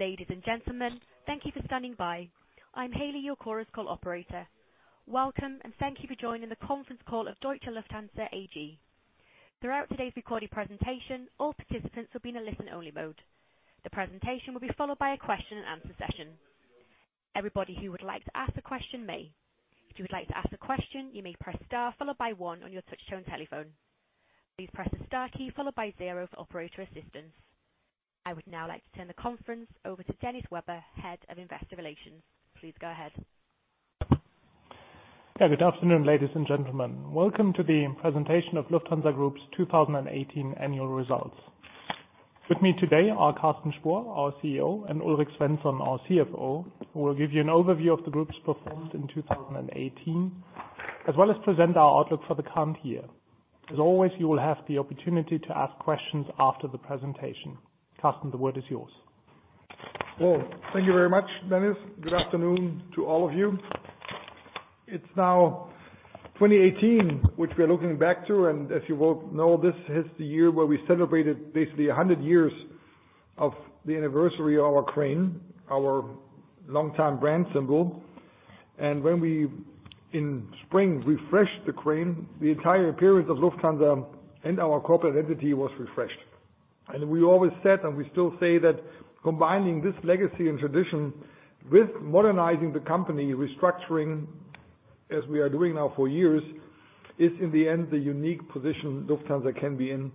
Ladies and gentlemen, thank you for standing by. I'm Haley, your chorus call operator. Welcome, and thank you for joining the conference call of Deutsche Lufthansa AG. Throughout today's recorded presentation, all participants will be in a listen-only mode. The presentation will be followed by a question and answer session. Everybody who would like to ask a question may. If you would like to ask a question, you may press star, followed by one on your touchtone telephone. Please press the star key followed by zero for operator assistance. I would now like to turn the conference over to Dennis Weber, Head of Investor Relations. Please go ahead. Good afternoon, ladies and gentlemen. Welcome to the presentation of Lufthansa Group's 2018 annual results. With me today are Carsten Spohr, our CEO, and Ulrik Svensson, our CFO, who will give you an overview of the group's performance in 2018, as well as present our outlook for the current year. As always, you will have the opportunity to ask questions after the presentation. Carsten, the word is yours. Thank you very much, Dennis. Good afternoon to all of you. It's now 2018, which we are looking back to, and as you well know, this is the year where we celebrated basically 100 years of the anniversary of our crane, our longtime brand symbol. When we, in spring, refreshed the crane, the entire appearance of Lufthansa and our corporate identity was refreshed. We always said, and we still say that combining this legacy and tradition with modernizing the company, restructuring as we are doing now for years, is, in the end, the unique position Lufthansa can be in,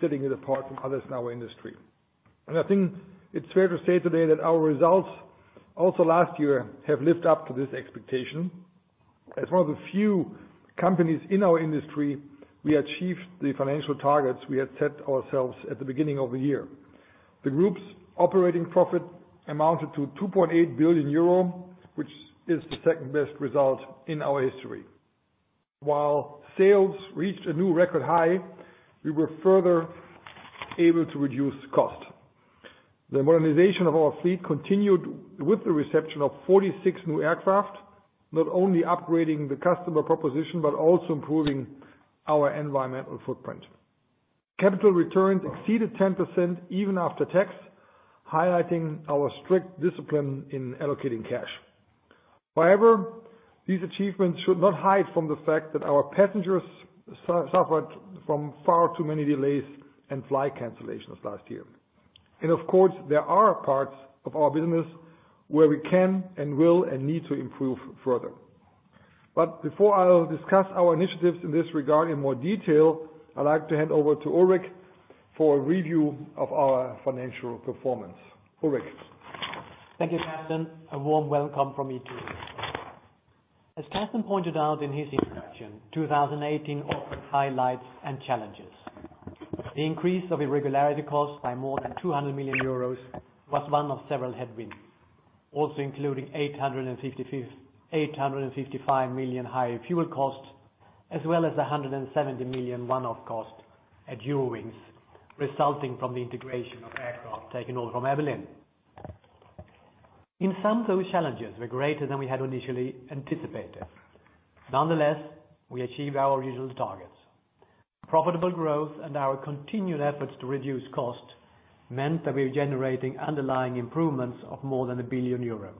setting it apart from others in our industry. I think it's fair to say today that our results also last year have lived up to this expectation. As one of the few companies in our industry, we achieved the financial targets we had set ourselves at the beginning of the year. The group's operating profit amounted to 2.8 billion euro, which is the second-best result in our history. While sales reached a new record high, we were further able to reduce costs. The modernization of our fleet continued with the reception of 46 new aircraft, not only upgrading the customer proposition but also improving our environmental footprint. Capital returns exceeded 10% even after tax, highlighting our strict discipline in allocating cash. These achievements should not hide from the fact that our passengers suffered from far too many delays and flight cancellations last year. Of course, there are parts of our business where we can and will and need to improve further. Before I'll discuss our initiatives in this regard in more detail, I'd like to hand over to Ulrik for a review of our financial performance. Ulrik. Thank you, Carsten. A warm welcome from me too. As Carsten pointed out in his introduction, 2018 offered highlights and challenges. The increase of irregularity costs by more than 200 million euros was one of several headwinds, also including $855 million higher fuel costs, as well as $170 million one-off costs at Eurowings, resulting from the integration of aircraft taken over from Air Berlin. In sum, those challenges were greater than we had initially anticipated. Nonetheless, we achieved our original targets. Profitable growth and our continued efforts to reduce costs meant that we are generating underlying improvements of more than 1 billion euro.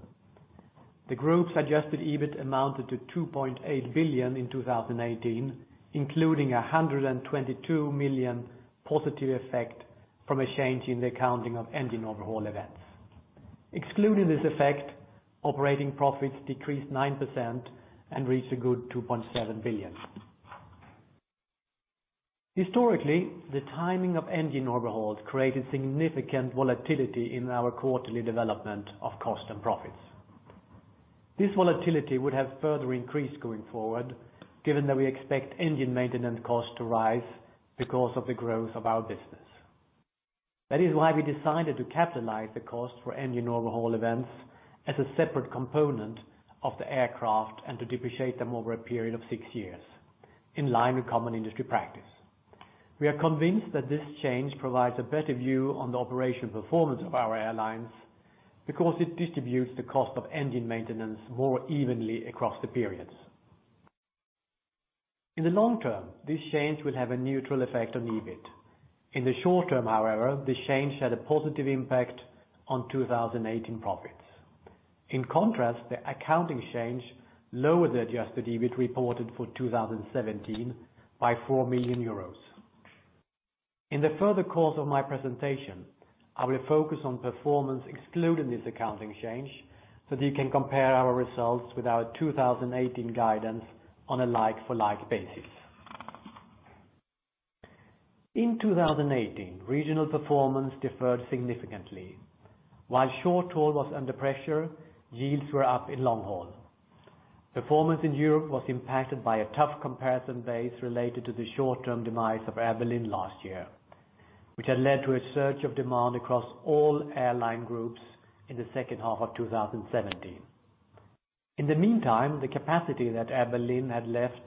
The group's adjusted EBIT amounted to 2.8 billion in 2018, including 122 million positive effect from a change in the accounting of engine overhaul events. Excluding this effect, operating profits decreased 9% and reached a good 2.7 billion. Historically, the timing of engine overhauls created significant volatility in our quarterly development of costs and profits. This volatility would have further increased going forward, given that we expect engine maintenance costs to rise because of the growth of our business. That is why we decided to capitalize the cost for engine overhaul events as a separate component of the aircraft and to depreciate them over a period of six years, in line with common industry practice. We are convinced that this change provides a better view on the operation performance of our airlines because it distributes the cost of engine maintenance more evenly across the periods. In the long term, this change will have a neutral effect on EBIT. In the short term, however, the change had a positive impact on 2018 profits. In contrast, the accounting change lowered the adjusted EBIT reported for 2017 by 4 million euros. In the further course of my presentation, I will focus on performance excluding this accounting change so that you can compare our results with our 2018 guidance on a like-for-like basis. In 2018, regional performance differed significantly. While short-haul was under pressure, yields were up in long haul. Performance in Europe was impacted by a tough comparison base related to the short-term demise of Air Berlin last year, which had led to a surge of demand across all airline groups in the second half of 2017. In the meantime, the capacity that Air Berlin had left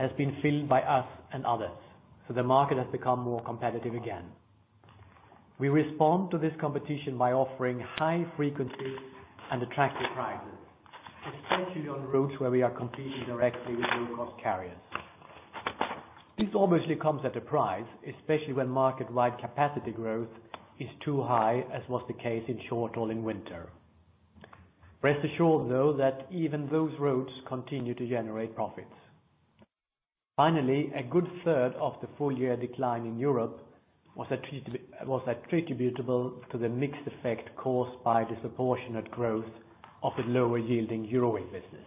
has been filled by us and others, the market has become more competitive again. We respond to this competition by offering high frequencies and attractive prices, especially on routes where we are competing directly with low-cost carriers. This obviously comes at a price, especially when market-wide capacity growth is too high, as was the case in short-haul in winter. Rest assured, though, that even those routes continue to generate profits. Finally, a good third of the full-year decline in Europe was attributable to the mixed effect caused by the disproportionate growth of the lower-yielding Eurowings business.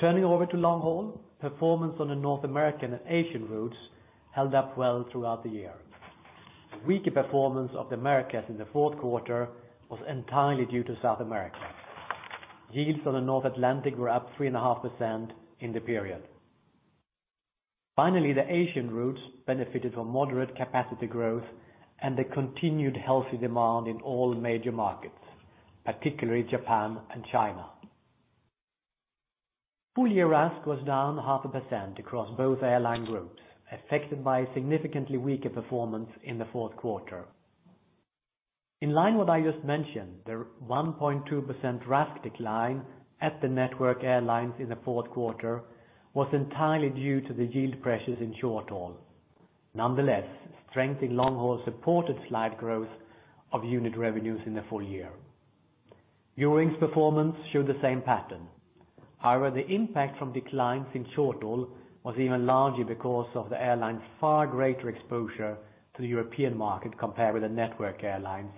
Turning over to long-haul, performance on the North American and Asian routes held up well throughout the year. Weaker performance of the Americas in the fourth quarter was entirely due to South America. Yields on the North Atlantic were up 3.5% in the period. Finally, the Asian routes benefited from moderate capacity growth and the continued healthy demand in all major markets, particularly Japan and China. Full-year RASK was down 0.5% across both airline groups, affected by significantly weaker performance in the fourth quarter. In line what I just mentioned, the 1.2% RASK decline at the Network Airlines in the fourth quarter was entirely due to the yield pressures in short-haul. Nonetheless, strength in long-haul supported slight growth of unit revenues in the full year. Eurowings performance showed the same pattern. However, the impact from declines in short-haul was even larger because of the airline's far greater exposure to the European market compared with the Network Airlines,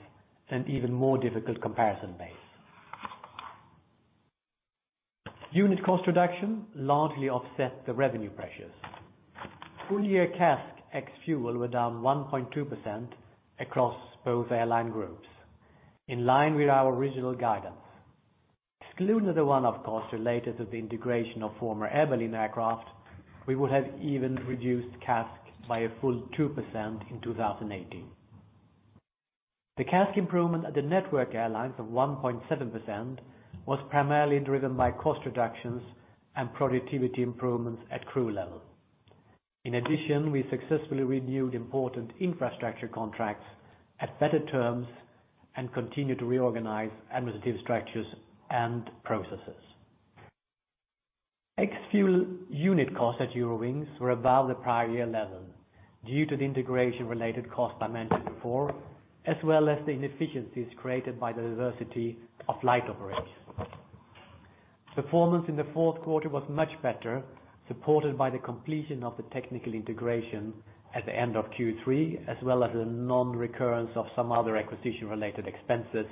and even more difficult comparison base. Unit cost reduction largely offset the revenue pressures. Full-year CASK ex-fuel were down 1.2% across both airline groups, in line with our original guidance. Excluding the one-off costs related to the integration of former Air Berlin aircraft, we would have even reduced CASK by a full 2% in 2018. The CASK improvement at the Network Airlines of 1.7% was primarily driven by cost reductions and productivity improvements at crew level. In addition, we successfully renewed important infrastructure contracts at better terms and continued to reorganize administrative structures and processes. Ex-fuel unit costs at Eurowings were above the prior year level due to the integration-related costs I mentioned before, as well as the inefficiencies created by the diversity of flight operations. Performance in the fourth quarter was much better, supported by the completion of the technical integration at the end of Q3, as well as the non-recurrence of some other acquisition-related expenses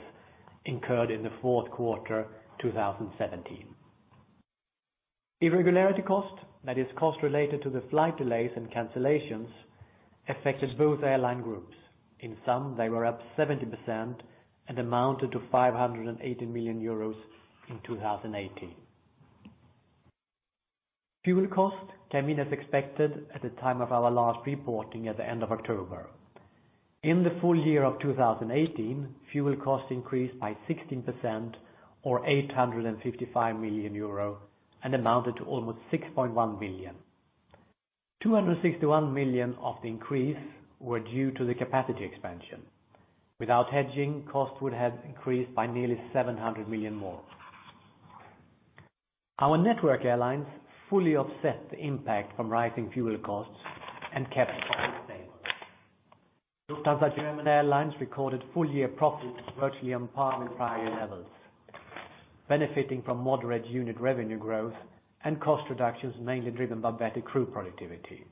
incurred in the fourth quarter 2017. Irregularity cost, that is costs related to the flight delays and cancellations, affected both airline groups. In sum, they were up 70% and amounted to 580 million euros in 2018. Fuel costs came in as expected at the time of our last reporting at the end of October. In the full year of 2018, fuel costs increased by 16%, or 855 million euro, and amounted to almost 6.1 billion. 261 million of the increase were due to the capacity expansion. Without hedging, costs would have increased by nearly 700 million more. Our Network Airlines fully offset the impact from rising fuel costs and kept quite stable. Lufthansa German Airlines recorded full-year profits virtually on par with prior levels, benefiting from moderate unit revenue growth and cost reductions, mainly driven by better crew productivity.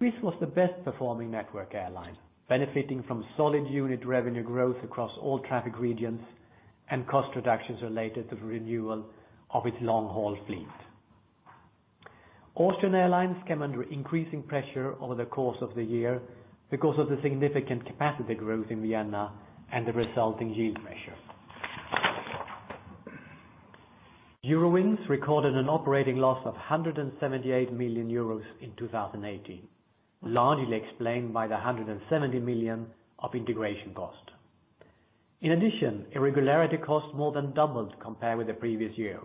This was the best performing Network Airline, benefiting from solid unit revenue growth across all traffic regions and cost reductions related to the renewal of its long-haul fleet. Austrian Airlines came under increasing pressure over the course of the year because of the significant capacity growth in Vienna and the resulting yield pressure. Eurowings recorded an operating loss of 178 million euros in 2018, largely explained by the 170 million of integration costs. In addition, irregularity costs more than doubled compared with the previous year.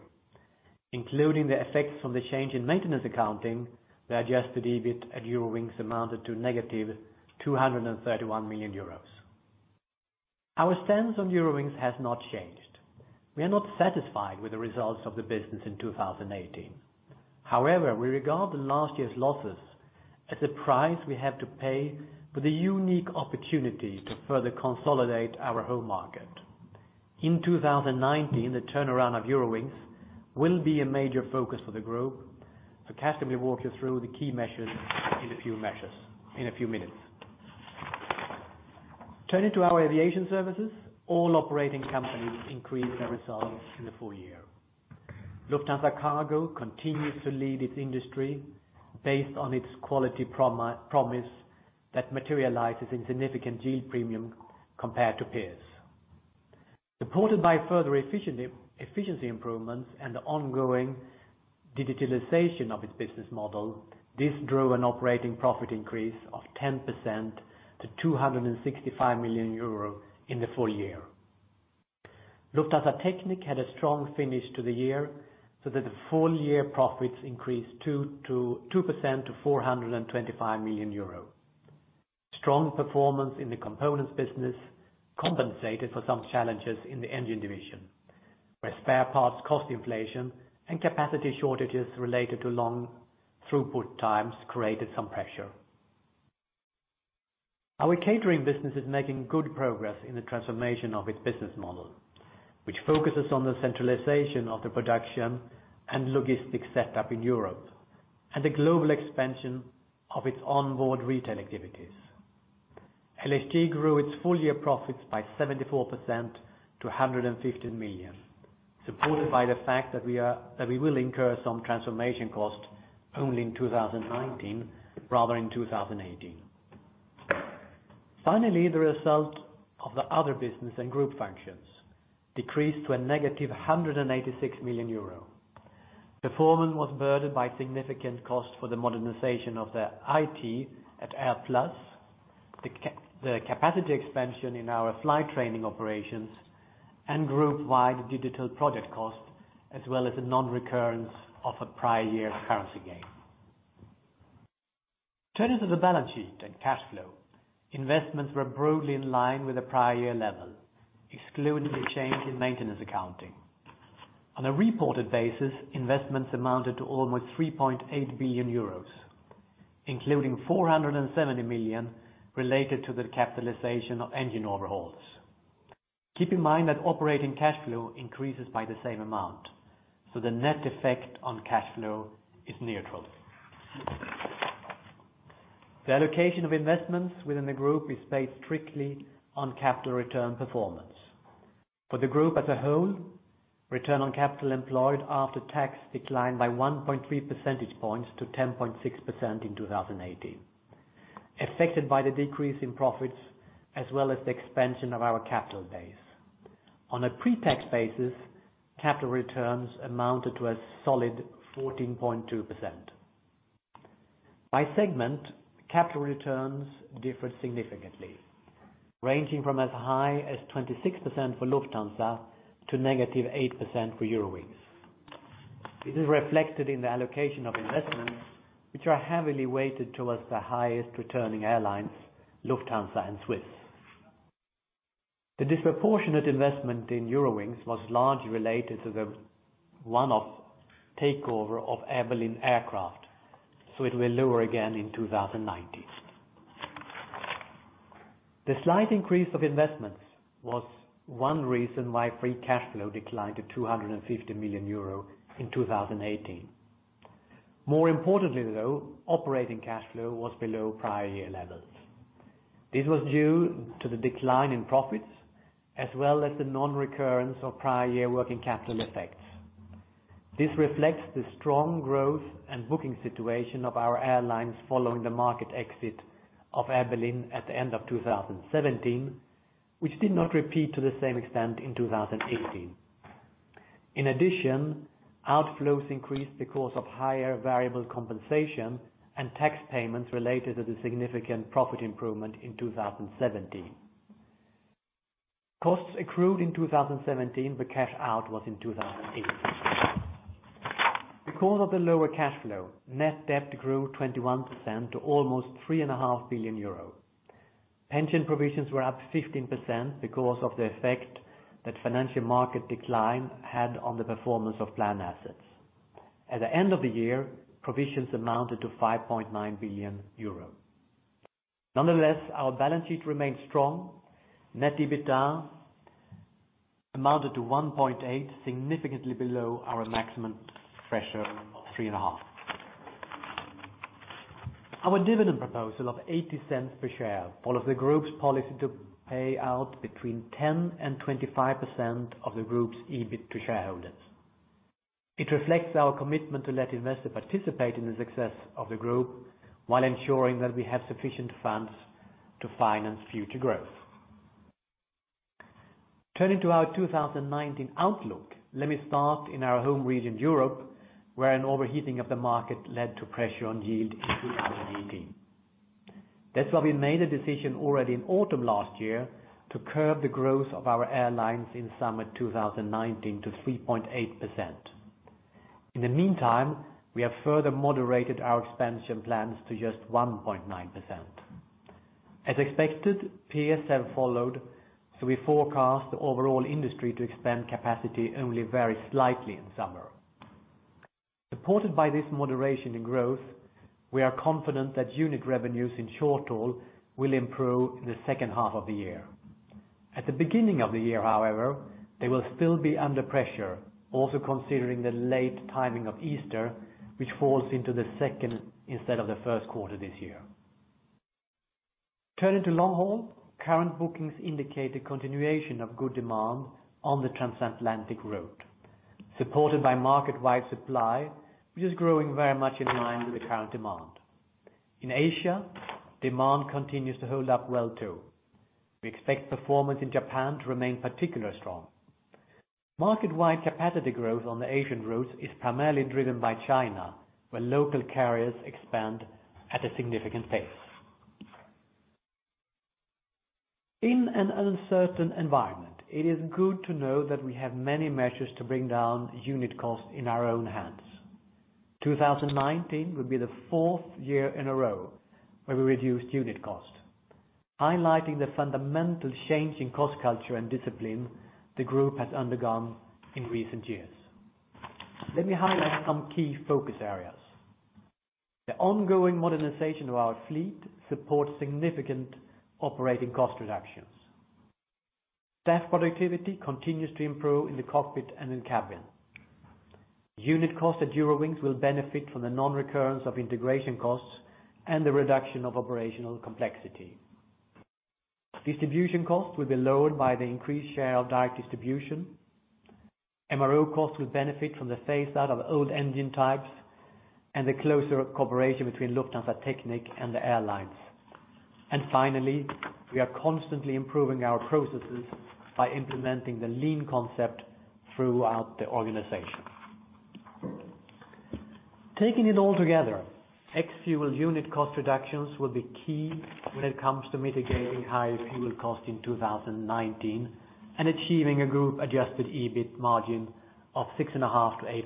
Including the effects from the change in maintenance accounting, the adjusted EBIT at Eurowings amounted to negative 231 million euros. Our stance on Eurowings has not changed. We are not satisfied with the results of the business in 2018. However, we regard the last year's losses as a price we have to pay for the unique opportunity to further consolidate our home market. In 2019, the turnaround of Eurowings will be a major focus for the group. Carsten will walk you through the key measures in a few minutes. Turning to our aviation services, all operating companies increased their results in the full year. Lufthansa Cargo continues to lead its industry based on its quality promise that materializes in significant yield premium compared to peers. Supported by further efficiency improvements and the ongoing digitalization of its business model, this drove an operating profit increase of 10% to 265 million euro in the full year. Lufthansa Technik had a strong finish to the year, so that the full-year profits increased 2% to 425 million euros. Strong performance in the components business compensated for some challenges in the engine division, where spare parts cost inflation and capacity shortages related to long throughput times created some pressure. Our catering business is making good progress in the transformation of its business model, which focuses on the centralization of the production and logistics setup in Europe and the global expansion of its onboard retail activities. LSG grew its full-year profits by 74% to 150 million, supported by the fact that we will incur some transformation costs only in 2019 rather than 2018. Finally, the result of the other business and group functions decreased to a negative 186 million euro. Performance was burdened by significant costs for the modernization of the IT at AirPlus, the capacity expansion in our flight training operations, and group-wide digital project costs, as well as a non-recurrence of a prior year's currency gain. Turning to the balance sheet and cash flow, investments were broadly in line with the prior year level, excluding the change in maintenance accounting. On a reported basis, investments amounted to almost 3.8 billion euros, including 470 million related to the capitalization of engine overhauls. Keep in mind that operating cash flow increases by the same amount, so the net effect on cash flow is neutral. The allocation of investments within the group is based strictly on capital return performance. For the group as a whole, return on capital employed after tax declined by 1.3 percentage points to 10.6% in 2018, affected by the decrease in profits as well as the expansion of our capital base. On a pre-tax basis, capital returns amounted to a solid 14.2%. By segment, capital returns differ significantly, ranging from as high as 26% for Lufthansa to negative 8% for Eurowings. This is reflected in the allocation of investments, which are heavily weighted towards the highest returning airlines, Lufthansa and SWISS. The disproportionate investment in Eurowings was largely related to the one-off takeover of Air Berlin aircraft, so it will lower again in 2019. The slight increase of investments was one reason why free cash flow declined to 250 million euro in 2018. More importantly, though, operating cash flow was below prior year levels. This was due to the decline in profits as well as the non-recurrence of prior year working capital effects. This reflects the strong growth and booking situation of our airlines following the market exit of Air Berlin at the end of 2017, which did not repeat to the same extent in 2018. In addition, outflows increased because of higher variable compensation and tax payments related to the significant profit improvement in 2017. Costs accrued in 2017, but cash out was in 2018. Because of the lower cash flow, net debt grew 21% to almost 3.5 billion euros. Pension provisions were up 15% because of the effect that financial market decline had on the performance of plan assets. At the end of the year, provisions amounted to 5.9 billion euros. Nonetheless, our balance sheet remains strong. Net EBITDA amounted to 1.8, significantly below our maximum threshold of 3.5. Our dividend proposal of 0.80 per share follows the group's policy to pay out between 10% and 25% of the group's EBIT to shareholders. It reflects our commitment to let investors participate in the success of the group while ensuring that we have sufficient funds to finance future growth. Turning to our 2019 outlook, let me start in our home region, Europe, where an overheating of the market led to pressure on yield in 2018. That's why we made a decision already in autumn last year to curb the growth of our airlines in summer 2019 to 3.8%. In the meantime, we have further moderated our expansion plans to just 1.9%. As expected, peers have followed. We forecast the overall industry to expand capacity only very slightly in summer. Supported by this moderation in growth, we are confident that unit revenues in short haul will improve in the second half of the year. At the beginning of the year, however, they will still be under pressure, also considering the late timing of Easter, which falls into the second instead of the first quarter this year. Turning to long haul, current bookings indicate a continuation of good demand on the transatlantic route, supported by market-wide supply, which is growing very much in line with the current demand. In Asia, demand continues to hold up well, too. We expect performance in Japan to remain particularly strong. Market-wide capacity growth on the Asian routes is primarily driven by China, where local carriers expand at a significant pace. In an uncertain environment, it is good to know that we have many measures to bring down unit costs in our own hands. 2019 will be the fourth year in a row where we reduced unit cost, highlighting the fundamental change in cost culture and discipline the group has undergone in recent years. Let me highlight some key focus areas. The ongoing modernization of our fleet supports significant operating cost reductions. Staff productivity continues to improve in the cockpit and in cabin. Unit cost at Eurowings will benefit from the non-recurrence of integration costs and the reduction of operational complexity. Distribution costs will be lowered by the increased share of direct distribution. MRO costs will benefit from the phaseout of old engine types and the closer cooperation between Lufthansa Technik and the airlines. Finally, we are constantly improving our processes by implementing the lean concept throughout the organization. Taking it all together, ex-fuel unit cost reductions will be key when it comes to mitigating higher fuel costs in 2019 and achieving a group-adjusted EBIT margin of 6.5%-8%.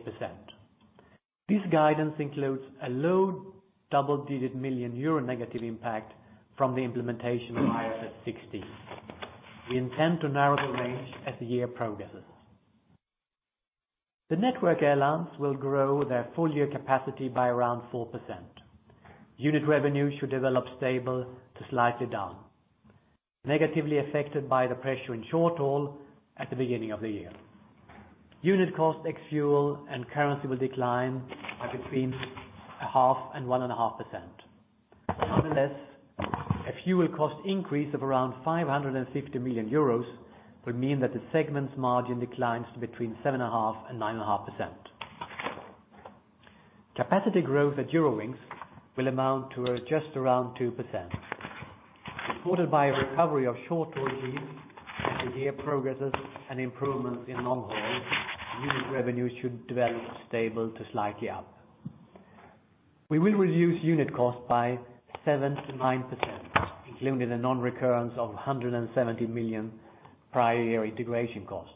This guidance includes a low double-digit million EUR negative impact from the implementation of IFRS 16. We intend to narrow the range as the year progresses. The Network Airlines will grow their full-year capacity by around 4%. Unit revenue should develop stable to slightly down, negatively affected by the pressure in short-haul at the beginning of the year. Unit cost ex-fuel and currency will decline by between 0.5% and 1.5%. Nonetheless, a fuel cost increase of around 550 million euros will mean that the segment's margin declines to between 7.5% and 9.5%. Capacity growth at Eurowings will amount to just around 2%, supported by a recovery of short-haul as the year progresses and improvements in long haul, unit revenue should develop stable to slightly up. We will reduce unit cost by 7%-9%, including the non-recurrence of 170 million prior year integration cost.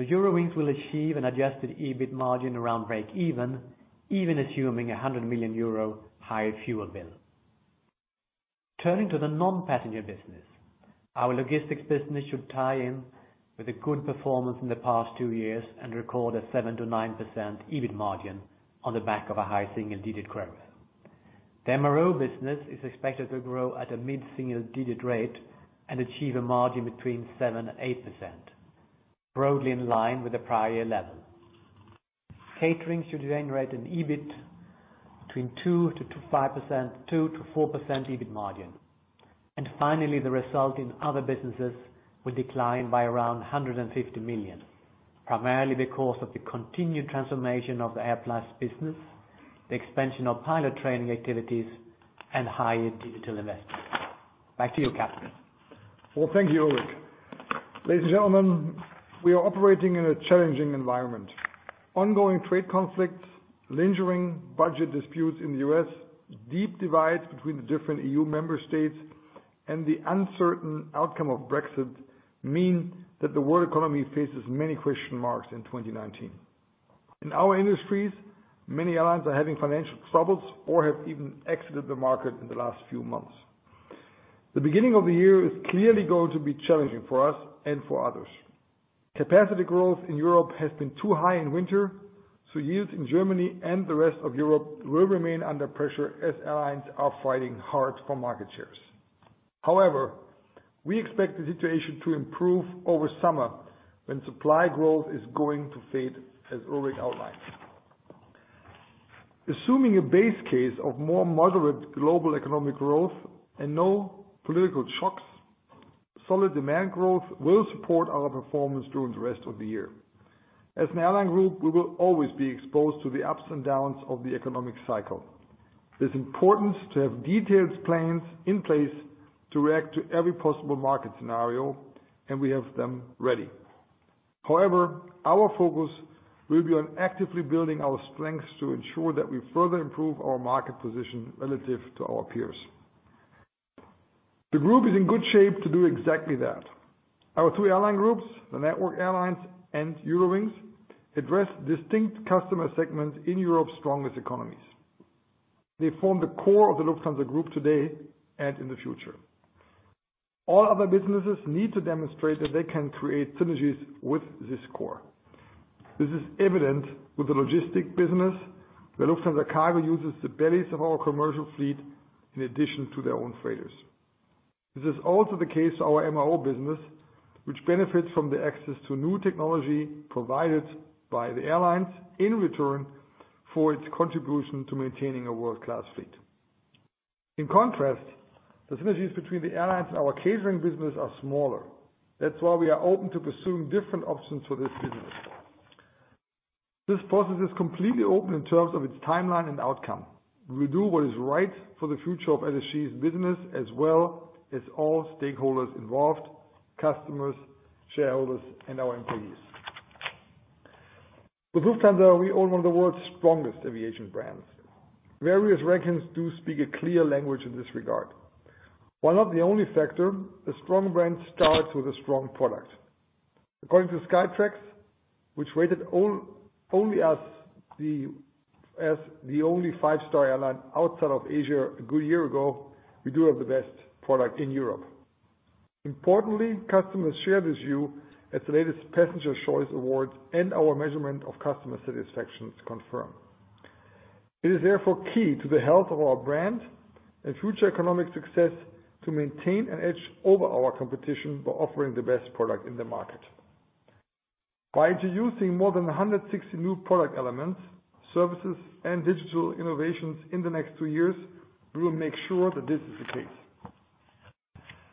Eurowings will achieve an adjusted EBIT margin around breakeven, even assuming a 100 million euro higher fuel bill. Turning to the non-passenger business, our logistics business should tie in with a good performance in the past two years and record a 7%-9% EBIT margin on the back of a high single-digit growth. The MRO business is expected to grow at a mid-single digit rate and achieve a margin between 7% and 8%, broadly in line with the prior year level. Catering should generate an EBIT between 2%-5%, 2%-4% EBIT margin. Finally, the result in other businesses will decline by around 150 million, primarily because of the continued transformation of the AirPlus business, the expansion of pilot training activities, and higher digital investments. Back to you, Carsten. Thank you, Ulrik. Ladies and gentlemen, we are operating in a challenging environment. Ongoing trade conflicts, lingering budget disputes in the U.S., deep divides between the different EU member states, and the uncertain outcome of Brexit mean that the world economy faces many question marks in 2019. In our industries, many airlines are having financial troubles or have even exited the market in the last few months. The beginning of the year is clearly going to be challenging for us and for others. Capacity growth in Europe has been too high in winter, so yields in Germany and the rest of Europe will remain under pressure as airlines are fighting hard for market shares. However, we expect the situation to improve over summer when supply growth is going to fade, as Ulrik outlined. Assuming a base case of more moderate global economic growth and no political shocks, solid demand growth will support our performance during the rest of the year. As an airline group, we will always be exposed to the ups and downs of the economic cycle. It's important to have detailed plans in place to react to every possible market scenario, we have them ready. However, our focus will be on actively building our strengths to ensure that we further improve our market position relative to our peers. The group is in good shape to do exactly that. Our two airline groups, the Network Airlines and Eurowings, address distinct customer segments in Europe's strongest economies. They form the core of the Lufthansa Group today and in the future. All other businesses need to demonstrate that they can create synergies with this core. This is evident with the logistics business, where Lufthansa Cargo uses the bellies of our commercial fleet in addition to their own freighters. This is also the case to our MRO business, which benefits from the access to new technology provided by the airlines in return for its contribution to maintaining a world-class fleet. In contrast, the synergies between the airlines and our catering business are smaller. That's why we are open to pursuing different options for this business. This process is completely open in terms of its timeline and outcome. We will do what is right for the future of LSG's business as well as all stakeholders involved, customers, shareholders, and our employees. With Lufthansa, we own one of the world's strongest aviation brands. Various rankings do speak a clear language in this regard. While not the only factor, a strong brand starts with a strong product. According to Skytrax, which rated us the only five-star airline outside of Asia a good year ago, we do have the best product in Europe. Importantly, customers share this view as the latest Passenger Choice Awards and our measurement of customer satisfaction confirm. It is therefore key to the health of our brand and future economic success to maintain an edge over our competition by offering the best product in the market. By introducing more than 160 new product elements, services, and digital innovations in the next two years, we will make sure that this is the case.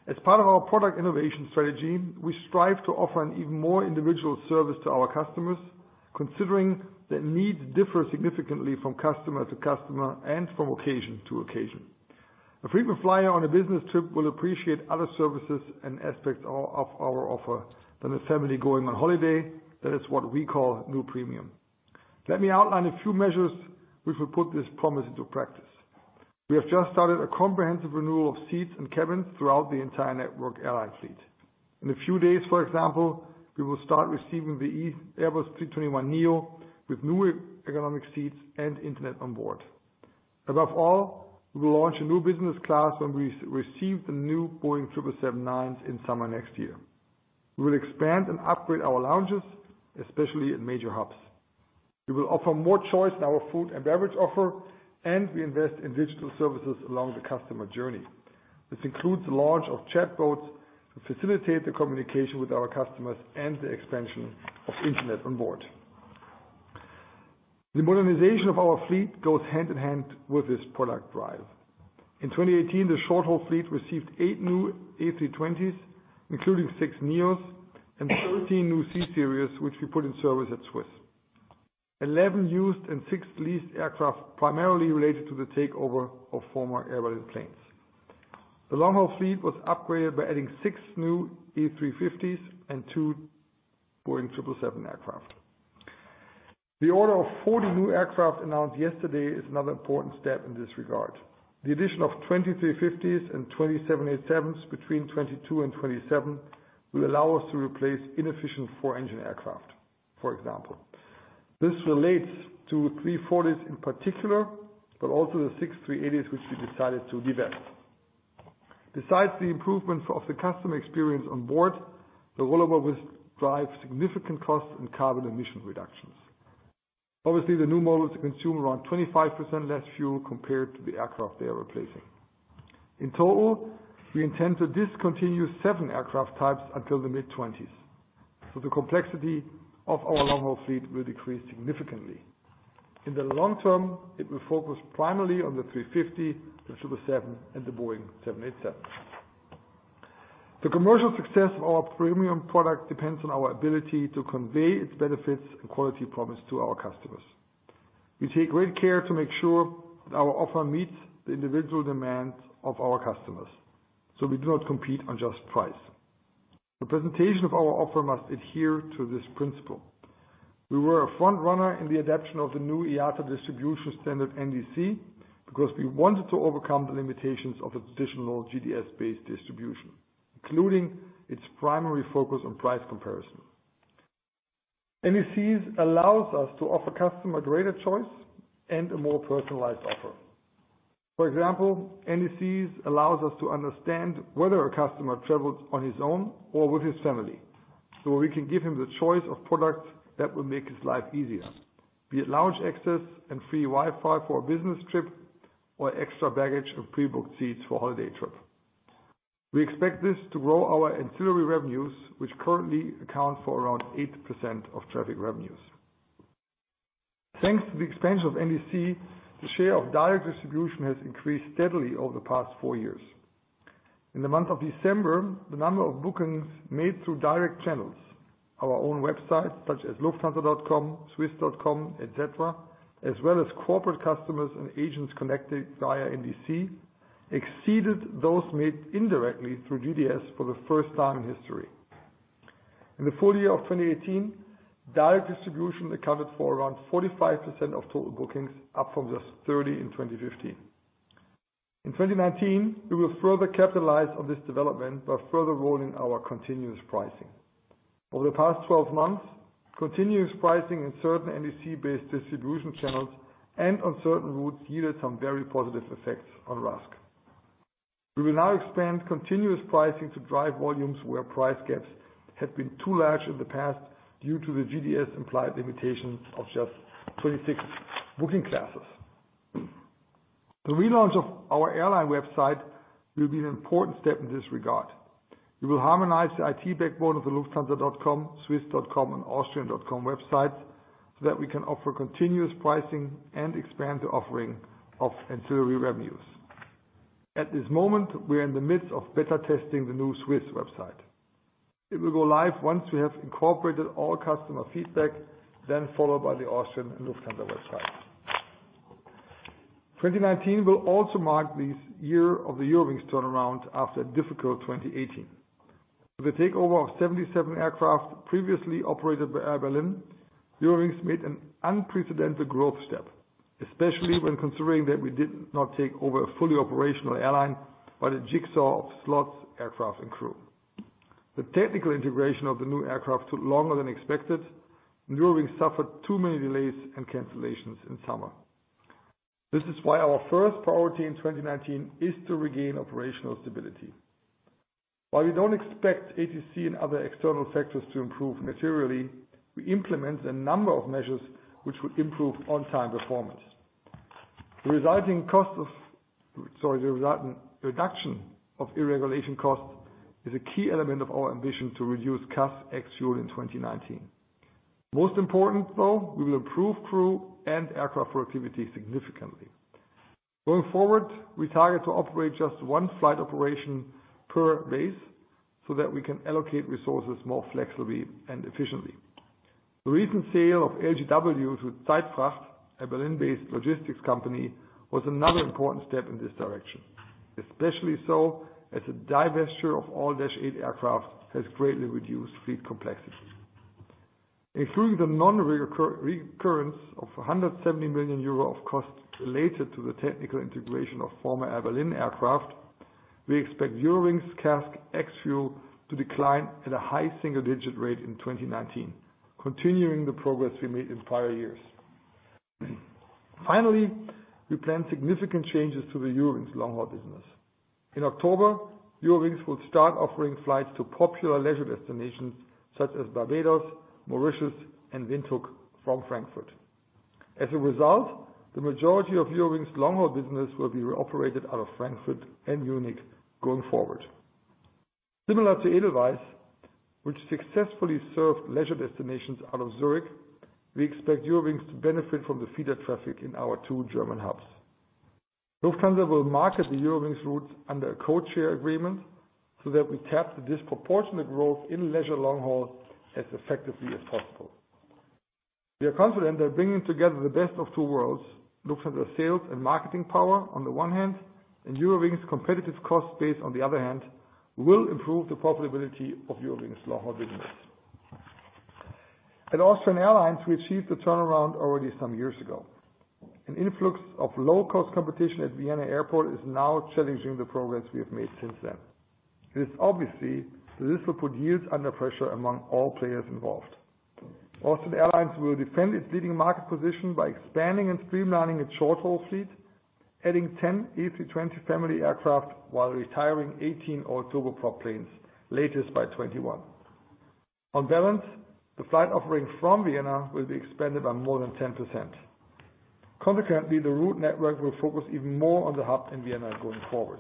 As part of our product innovation strategy, we strive to offer an even more individual service to our customers, considering their needs differ significantly from customer to customer and from occasion to occasion. A frequent flyer on a business trip will appreciate other services and aspects of our offer than a family going on holiday. That is what we call New Premium. Let me outline a few measures which will put this promise into practice. We have just started a comprehensive renewal of seats and cabins throughout the entire Network Airlines fleet. In a few days, for example, we will start receiving the Airbus A321neo with new ergonomic seats and internet on board. Above all, we will launch a new business class when we receive the new Boeing 777-9s in summer next year. We will expand and upgrade our lounges, especially in major hubs. We will offer more choice in our food and beverage offer. We invest in digital services along the customer journey. This includes the launch of chatbots to facilitate the communication with our customers and the expansion of internet on board. The modernization of our fleet goes hand in hand with this product drive. In 2018, the short-haul fleet received eight new A320s, including six Neos and 13 new C Series, which we put in service at SWISS. 11 used and six leased aircraft primarily related to the takeover of former Air Berlin planes. The long-haul fleet was upgraded by adding six new A350s and two Boeing 777 aircraft. The order of 40 new aircraft announced yesterday is another important step in this regard. The addition of 20 A350s and 20 787s between 2022 and 2027 will allow us to replace inefficient four-engine aircraft, for example. This relates to A340s in particular, but also the six A380s, which we decided to divest. Besides the improvements of the customer experience on board, the rollover will drive significant cost and carbon emission reductions. Obviously, the new models consume around 25% less fuel compared to the aircraft they are replacing. In total, we intend to discontinue seven aircraft types until the mid-20s. The complexity of our long-haul fleet will decrease significantly. In the long term, it will focus primarily on the A350, the 777, and the Boeing 787. The commercial success of our premium product depends on our ability to convey its benefits and quality promise to our customers. We take great care to make sure that our offer meets the individual demands of our customers, so we do not compete on just price. The presentation of our offer must adhere to this principle. We were a front runner in the adoption of the new IATA distribution standard NDC because we wanted to overcome the limitations of the traditional GDS-based distribution, including its primary focus on price comparison. NDC allows us to offer customer greater choice and a more personalized offer. For example, NDC allows us to understand whether a customer travels on his own or with his family, so we can give him the choice of products that will make his life easier, be it lounge access and free Wi-Fi for a business trip or extra baggage of pre-booked seats for a holiday trip. We expect this to grow our ancillary revenues, which currently account for around 8% of traffic revenues. Thanks to the expansion of NDC, the share of direct distribution has increased steadily over the past four years. In the month of December, the number of bookings made through direct channels, our own websites such as lufthansa.com, swiss.com, et cetera, as well as corporate customers and agents connected via NDC, exceeded those made indirectly through GDS for the first time in history. In the full year of 2018, direct distribution accounted for around 45% of total bookings, up from just 30 in 2015. In 2019, we will further capitalize on this development by further rolling our continuous pricing. Over the past 12 months, continuous pricing in certain NDC-based distribution channels and on certain routes yielded some very positive effects on RASK. We will now expand continuous pricing to drive volumes where price gaps have been too large in the past due to the GDS implied limitations of just 26 booking classes. The relaunch of our airline website will be an important step in this regard. We will harmonize the IT backbone of the lufthansa.com, swiss.com, and austrian.com websites so that we can offer continuous pricing and expand the offering of ancillary revenues. At this moment, we are in the midst of beta testing the new SWISS website. It will go live once we have incorporated all customer feedback, then followed by the Austrian and Lufthansa websites. 2019 will also mark the year of the Eurowings turnaround after a difficult 2018. With the takeover of 77 aircraft previously operated by Air Berlin, Eurowings made an unprecedented growth step, especially when considering that we did not take over a fully operational airline, but a jigsaw of slots, aircraft, and crew. The technical integration of the new aircraft took longer than expected, and Eurowings suffered too many delays and cancellations in summer. This is why our first priority in 2019 is to regain operational stability. While we don't expect ATC and other external factors to improve materially, we implement a number of measures which will improve on-time performance. The resulting reduction of deregulation costs is a key element of our ambition to reduce CASK Ex-Fuel in 2019. Most important, though, we will improve crew and aircraft productivity significantly. Going forward, we target to operate just one flight operation per base so that we can allocate resources more flexibly and efficiently. The recent sale of LGW to Zeitfracht, a Berlin-based logistics company, was another important step in this direction, especially so as the divesture of all Dash 8 aircraft has greatly reduced fleet complexity. Excluding the non-recurrence of 170 million euro of costs related to the technical integration of former Air Berlin aircraft, we expect Eurowings CASK Ex-Fuel to decline at a high single-digit rate in 2019, continuing the progress we made in prior years. We plan significant changes to the Eurowings long-haul business. In October, Eurowings will start offering flights to popular leisure destinations such as Barbados, Mauritius, and Windhoek from Frankfurt. As a result, the majority of Eurowings long-haul business will be operated out of Frankfurt and Munich going forward. Similar to Edelweiss, which successfully served leisure destinations out of Zurich, we expect Eurowings to benefit from the feeder traffic in our two German hubs. Lufthansa will market the Eurowings routes under a code-share agreement so that we tap the disproportionate growth in leisure long haul as effectively as possible. We are confident that bringing together the best of two worlds, Lufthansa sales and marketing power on the one hand and Eurowings competitive cost base on the other hand, will improve the profitability of Eurowings long-haul business. At Austrian Airlines, we achieved the turnaround already some years ago. An influx of low-cost competition at Vienna Airport is now challenging the progress we have made since then. It is obvious that this will put yields under pressure among all players involved. Austrian Airlines will defend its leading market position by expanding and streamlining its short-haul fleet, adding 10 A320 Family aircraft while retiring 18 old turboprop planes, latest by 2021. On balance, the flight offering from Vienna will be expanded by more than 10%. Consequently, the route network will focus even more on the hub in Vienna going forward.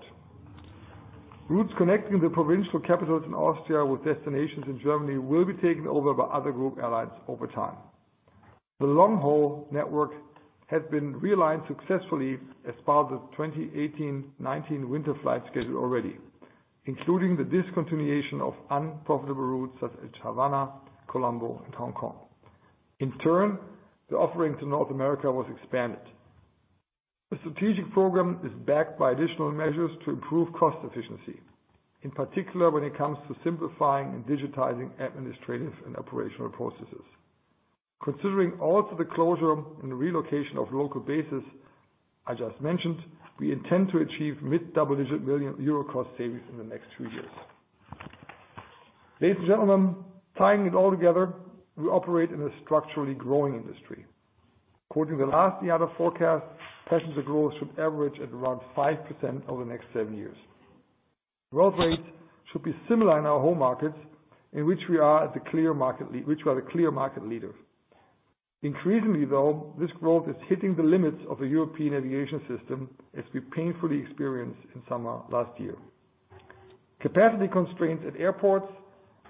Routes connecting the provincial capitals in Austria with destinations in Germany will be taken over by other group airlines over time. The long-haul network has been realigned successfully as part of 2018-2019 winter flight schedule already, including the discontinuation of unprofitable routes such as Havana, Colombo, and Hong Kong. In turn, the offering to North America was expanded. The strategic program is backed by additional measures to improve cost efficiency, in particular when it comes to simplifying and digitizing administrative and operational processes. Considering also the closure and relocation of local bases I just mentioned, we intend to achieve mid-double-digit million EUR cost savings in the next two years. Ladies and gentlemen, tying it all together, we operate in a structurally growing industry. Quoting the last IATA forecast, passenger growth should average at around 5% over the next seven years. Growth rates should be similar in our home markets, which we are the clear market leaders. Increasingly, though, this growth is hitting the limits of the European aviation system, as we painfully experienced in summer last year. Capacity constraints at airports,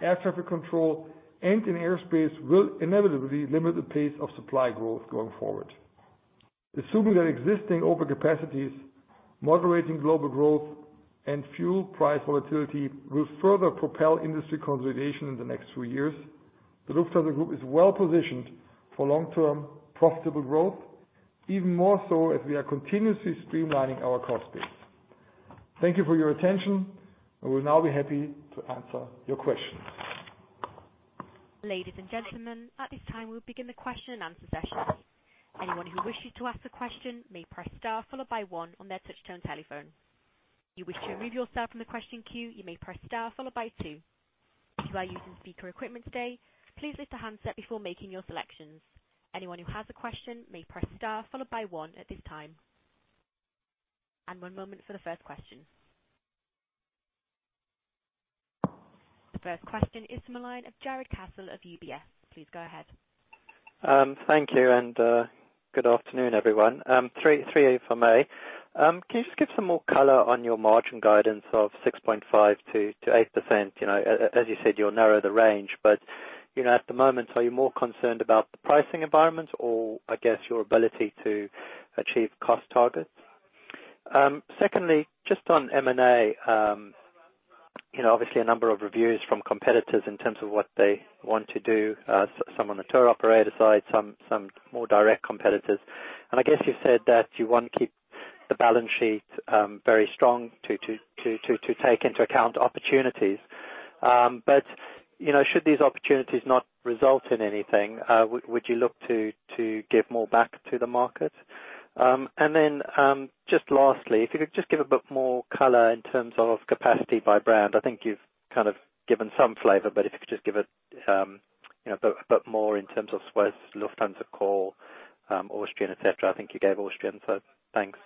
air traffic control, and in airspace will inevitably limit the pace of supply growth going forward. Assuming that existing overcapacities, moderating global growth, and fuel price volatility will further propel industry consolidation in the next few years, the Lufthansa Group is well-positioned for long-term profitable growth, even more so as we are continuously streamlining our cost base. Thank you for your attention. We'll now be happy to answer your questions. Ladies and gentlemen, at this time, we'll begin the question and answer session. Anyone who wishes to ask a question may press star followed by one on their touchtone telephone. If you wish to remove yourself from the question queue, you may press star followed by two. If you are using speaker equipment today, please lift the handset before making your selections. Anyone who has a question may press star followed by one at this time. One moment for the first question. The first question is from the line of Jarrod Castle of UBS. Please go ahead. Thank you. Good afternoon, everyone. Three if I may. Can you just give some more color on your margin guidance of 6.5%-8%? As you said, you'll narrow the range, but at the moment, are you more concerned about the pricing environment or, I guess, your ability to achieve cost targets? Secondly, just on M&A Obviously, a number of reviews from competitors in terms of what they want to do, some on the tour operator side, some more direct competitors. I guess you said that you want to keep the balance sheet very strong to take into account opportunities. Should these opportunities not result in anything, would you look to give more back to the market? Just lastly, if you could just give a bit more color in terms of capacity by brand. I think you've given some flavor, but if you could just give a bit more in terms of SWISS, Lufthansa, Köln, Austrian, et cetera. I think you gave Austrian, thanks.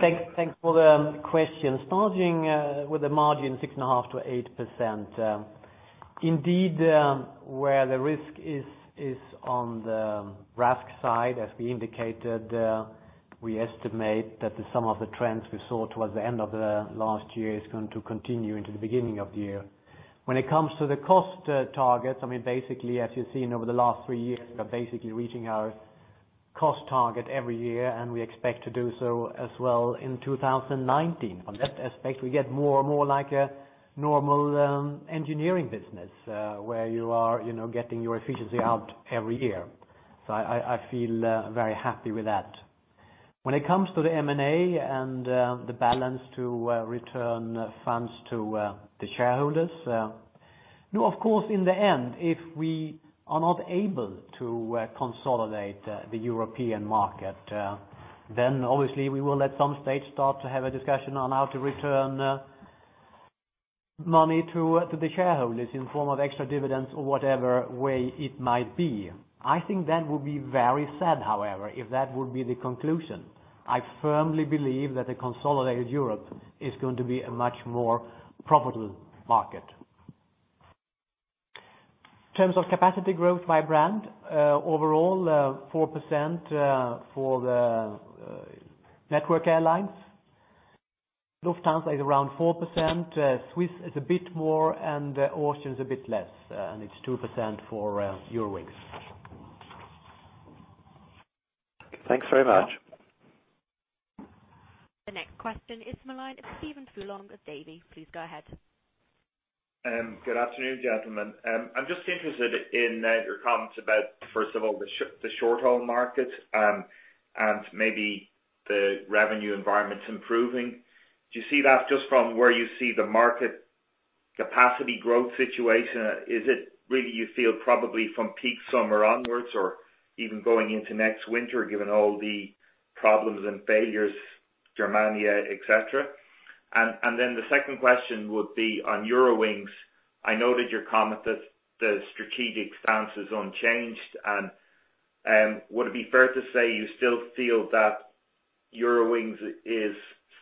Thanks for the question. Starting with the margin, 6.5% to 8%. Indeed, where the risk is on the RASK side, as we indicated, we estimate that the sum of the trends we saw towards the end of the last year is going to continue into the beginning of the year. When it comes to the cost targets, basically, as you've seen over the last three years, we are basically reaching our cost target every year, and we expect to do so as well in 2019. On that aspect, we get more like a normal engineering business where you are getting your efficiency out every year. I feel very happy with that. When it comes to the M&A and the balance to return funds to the shareholders. Of course, in the end, if we are not able to consolidate the European market, obviously we will, at some stage, start to have a discussion on how to return money to the shareholders in form of extra dividends or whatever way it might be. I think that would be very sad, however, if that would be the conclusion. I firmly believe that a consolidated Europe is going to be a much more profitable market. In terms of capacity growth by brand, overall, 4% for the Network Airlines. Lufthansa is around 4%, SWISS is a bit more, and Austrian is a bit less, and it's 2% for Eurowings. Thanks very much. The next question is the line of Stephen Furlong of Davy. Please go ahead. Good afternoon, gentlemen. I'm just interested in your comments about, first of all, the short-haul market and maybe the revenue environment's improving. Do you see that just from where you see the market capacity growth situation? Is it really you feel probably from peak summer onwards or even going into next winter, given all the problems and failures, Germania, et cetera? The second question would be on Eurowings. I noted your comment that the strategic stance is unchanged. Would it be fair to say you still feel that Eurowings is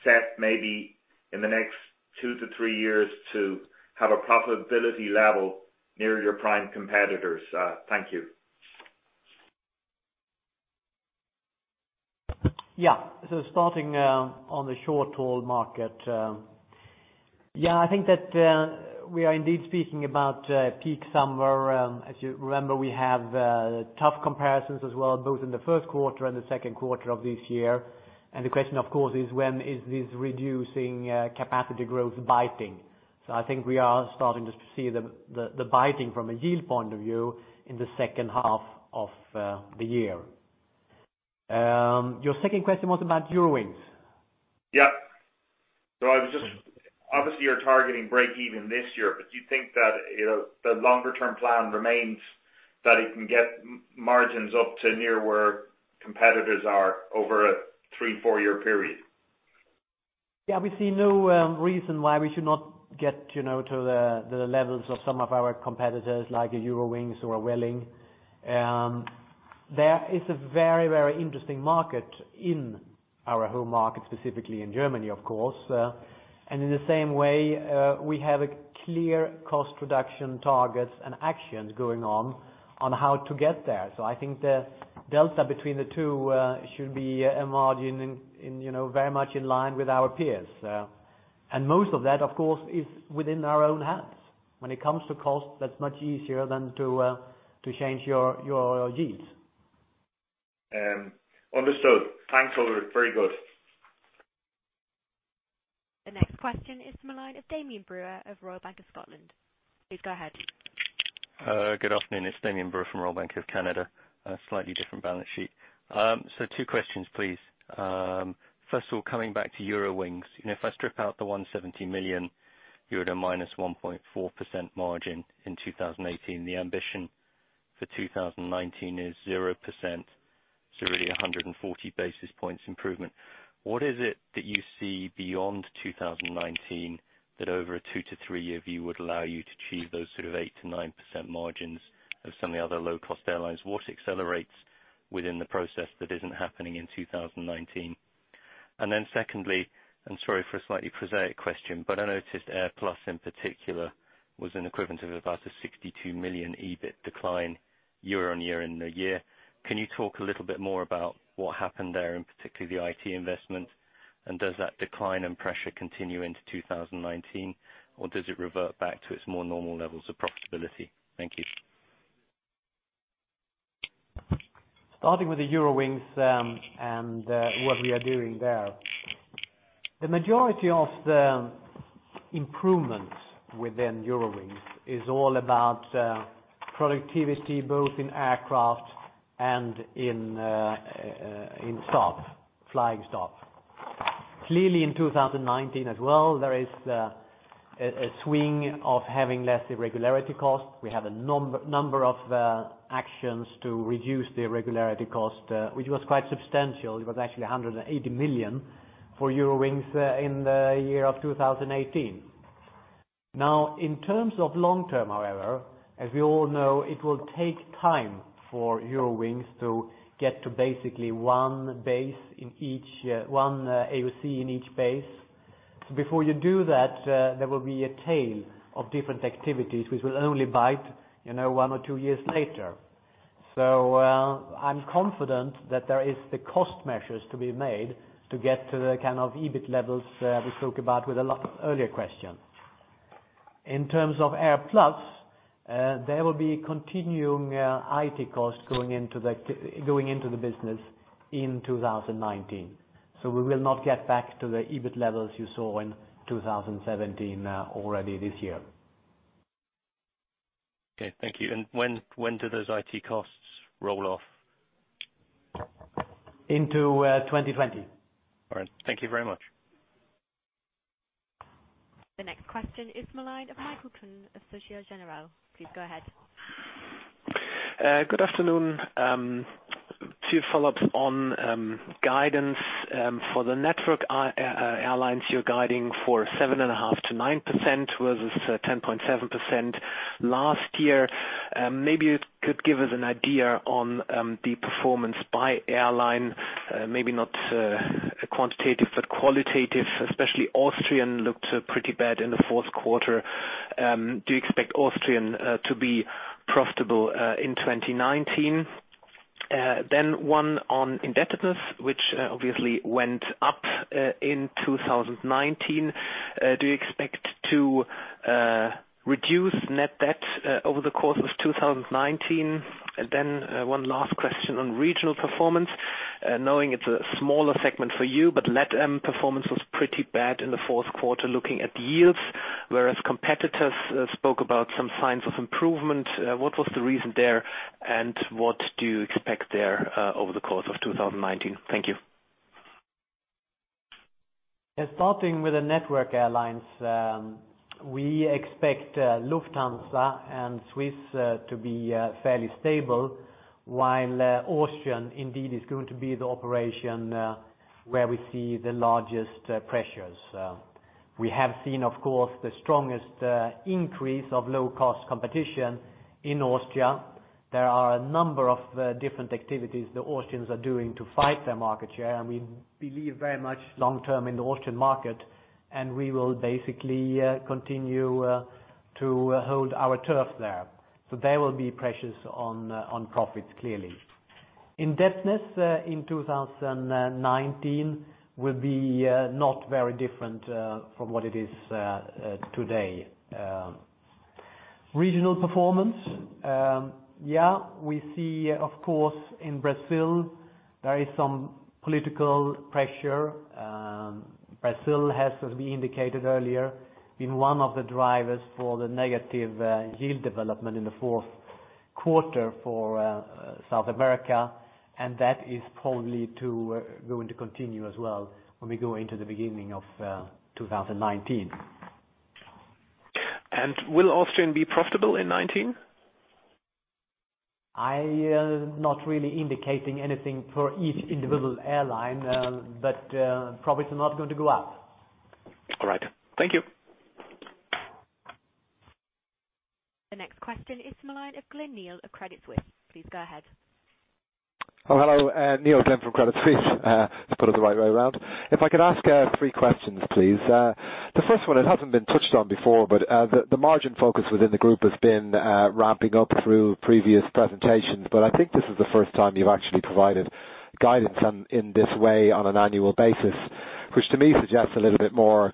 set maybe in the next two to three years to have a profitability level near your prime competitors? Thank you. Starting on the short-haul market. I think that we are indeed speaking about peak summer. As you remember, we have tough comparisons as well, both in the first quarter and the second quarter of this year. The question, of course, is when is this reducing capacity growth biting? I think we are starting to see the biting from a yield point of view in the second half of the year. Your second question was about Eurowings. Obviously, you're targeting break-even this year, do you think that the longer-term plan remains that it can get margins up to near where competitors are over a three, four-year period? We see no reason why we should not get to the levels of some of our competitors, like Eurowings or Vueling. There is a very interesting market in our home market, specifically in Germany, of course. In the same way, we have clear cost reduction targets and actions going on how to get there. I think the delta between the two should be a margin very much in line with our peers. Most of that, of course, is within our own hands. When it comes to cost, that's much easier than to change your yields. Understood. Thanks Ulrik. Very good. The next question is the line of Damian Brewer of Royal Bank of Canada. Please go ahead. Good afternoon. It's Damian Brewer from Royal Bank of Canada. A slightly different balance sheet. Two questions, please. First of all, coming back to Eurowings. If I strip out the 170 million euro, you're at a -1.4% margin in 2018. The ambition for 2019 is 0%, really 140 basis points improvement. What is it that you see beyond 2019 that over a two to three-year view would allow you to achieve those sort of 8%-9% margins of some of the other low-cost airlines? What accelerates within the process that isn't happening in 2019? Secondly, and sorry for a slightly prosaic question, but I noticed AirPlus in particular was an equivalent of about a 62 million EBIT decline year-on-year in the year. Can you talk a little bit more about what happened there, and particularly the IT investment? Does that decline and pressure continue into 2019, or does it revert back to its more normal levels of profitability? Thank you. Starting with the Eurowings and what we are doing there. The majority of the improvements within Eurowings is all about productivity, both in aircraft and in stops, flying stops. Clearly, in 2019 as well, there is a swing of having less irregularity cost. We have a number of actions to reduce the irregularity cost, which was quite substantial. It was actually 180 million for Eurowings in the year of 2018. In terms of long-term, however, as we all know, it will take time for Eurowings to get to basically one AOC in each base. Before you do that, there will be a tail of different activities which will only bite one or two years later. I'm confident that there is the cost measures to be made to get to the kind of EBIT levels we spoke about with an earlier question. In terms of AirPlus, there will be continuing IT costs going into the business in 2019. We will not get back to the EBIT levels you saw in 2017 already this year. Okay, thank you. When do those IT costs roll off? Into 2020. All right. Thank you very much. The next question is Marlijn Michels of Societe Generale. Please go ahead. Good afternoon. Two follow-ups on guidance for the Network Airlines. You're guiding for 7.5%-9% versus 10.7% last year. Maybe you could give us an idea on the performance by airline maybe not quantitative, but qualitative, especially Austrian looked pretty bad in the fourth quarter. Do you expect Austrian to be profitable in 2019? One on indebtedness, which obviously went up in 2019. Do you expect to reduce net debt over the course of 2019? One last question on regional performance, knowing it's a smaller segment for you, but LATAM performance was pretty bad in the fourth quarter looking at yields, whereas competitors spoke about some signs of improvement. What was the reason there, and what do you expect there over the course of 2019? Thank you. Starting with the Network Airlines, we expect Lufthansa and SWISS to be fairly stable, while Austrian indeed is going to be the operation where we see the largest pressures. We have seen, of course, the strongest increase of low-cost competition in Austria. There are a number of different activities the Austrians are doing to fight their market share, and we believe very much long-term in the Austrian market, and we will basically continue to hold our turf there. There will be pressures on profits, clearly. Indebtedness in 2019 will be not very different from what it is today. Regional performance. We see, of course, in Brazil, there is some political pressure. Brazil has, as we indicated earlier, been one of the drivers for the negative yield development in the fourth quarter for South America, and that is probably going to continue as well when we go into the beginning of 2019. Will Austrian be profitable in 2019? I am not really indicating anything for each individual airline, but profits are not going to go up. All right. Thank you. The next question is Neil Glynn of Credit Suisse. Please go ahead. Hello. Neil Glynn from Credit Suisse, to put it the right way around. If I could ask three questions, please. The first one, it hasn't been touched on before, the margin focus within the group has been ramping up through previous presentations. I think this is the first time you've actually provided guidance in this way on an annual basis, which to me suggests a little bit more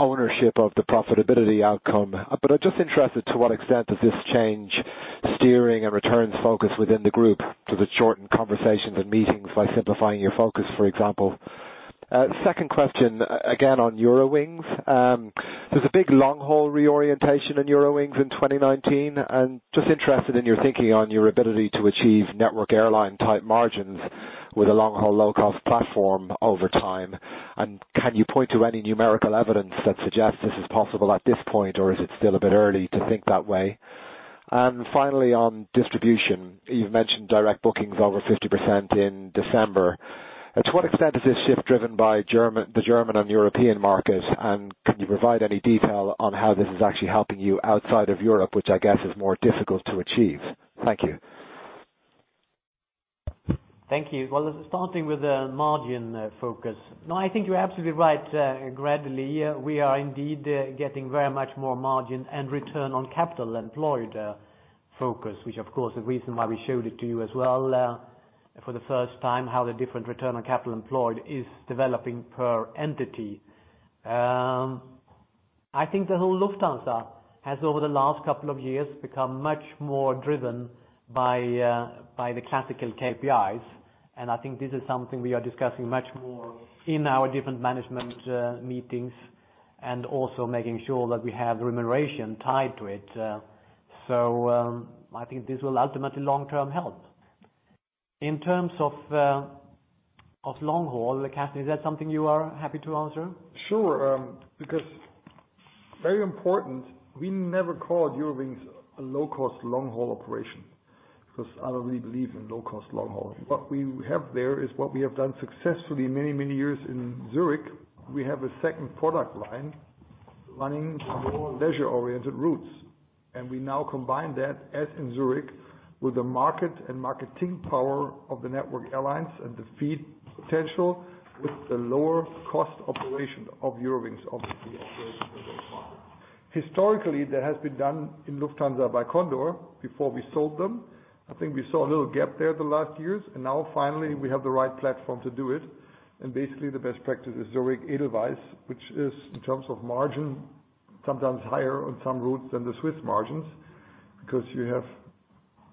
ownership of the profitability outcome. I'm just interested to what extent does this change steering and returns focus within the group? Does it shorten conversations and meetings by simplifying your focus, for example? Second question, again, on Eurowings. There's a big long-haul reorientation in Eurowings in 2019. I'm just interested in your thinking on your ability to achieve Network Airlines-type margins with a long-haul, low-cost platform over time. Can you point to any numerical evidence that suggests this is possible at this point, or is it still a bit early to think that way? Finally, on distribution, you've mentioned direct bookings over 50% in December. To what extent is this shift driven by the German and European markets, and can you provide any detail on how this is actually helping you outside of Europe, which I guess is more difficult to achieve? Thank you. Thank you. Starting with the margin focus. I think you're absolutely right, gradually, we are indeed getting very much more margin and return on capital employed focus, which, of course, the reason why we showed it to you as well for the first time, how the different return on capital employed is developing per entity. I think the whole Lufthansa has, over the last couple of years, become much more driven by the classical KPIs, I think this is something we are discussing much more in our different management meetings and also making sure that we have remuneration tied to it. I think this will ultimately long-term help. In terms of long haul, Carsten, is that something you are happy to answer? Sure. Very important, we never called Eurowings a low-cost long haul operation, because I don't really believe in low-cost long haul. What we have there is what we have done successfully many years in Zurich. We have a second product line running on more leisure-oriented routes, we now combine that, as in Zurich, with the market and marketing power of the Network Airlines and the feed potential with the lower cost operation of Eurowings, obviously operating in those markets. Historically, that has been done in Lufthansa by Condor before we sold them. I think we saw a little gap there the last years, finally we have the right platform to do it. Basically, the best practice is Zurich Edelweiss, which is, in terms of margin, sometimes higher on some routes than the SWISS margins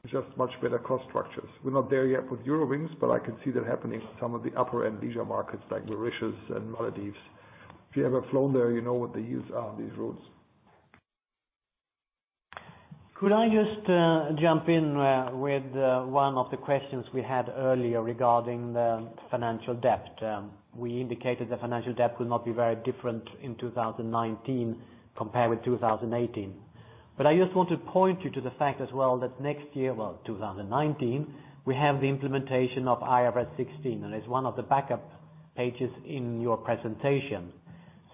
because you have just much better cost structures. We're not there yet with Eurowings, but I can see that happening in some of the upper-end leisure markets like Mauritius and Maldives. If you've ever flown there, you know what the yields are on these routes. Could I just jump in with one of the questions we had earlier regarding the financial debt? We indicated the financial debt will not be very different in 2019 compared with 2018. I just want to point you to the fact as well that next year, well, 2019, we have the implementation of IFRS 16, it's one of the backup pages in your presentation.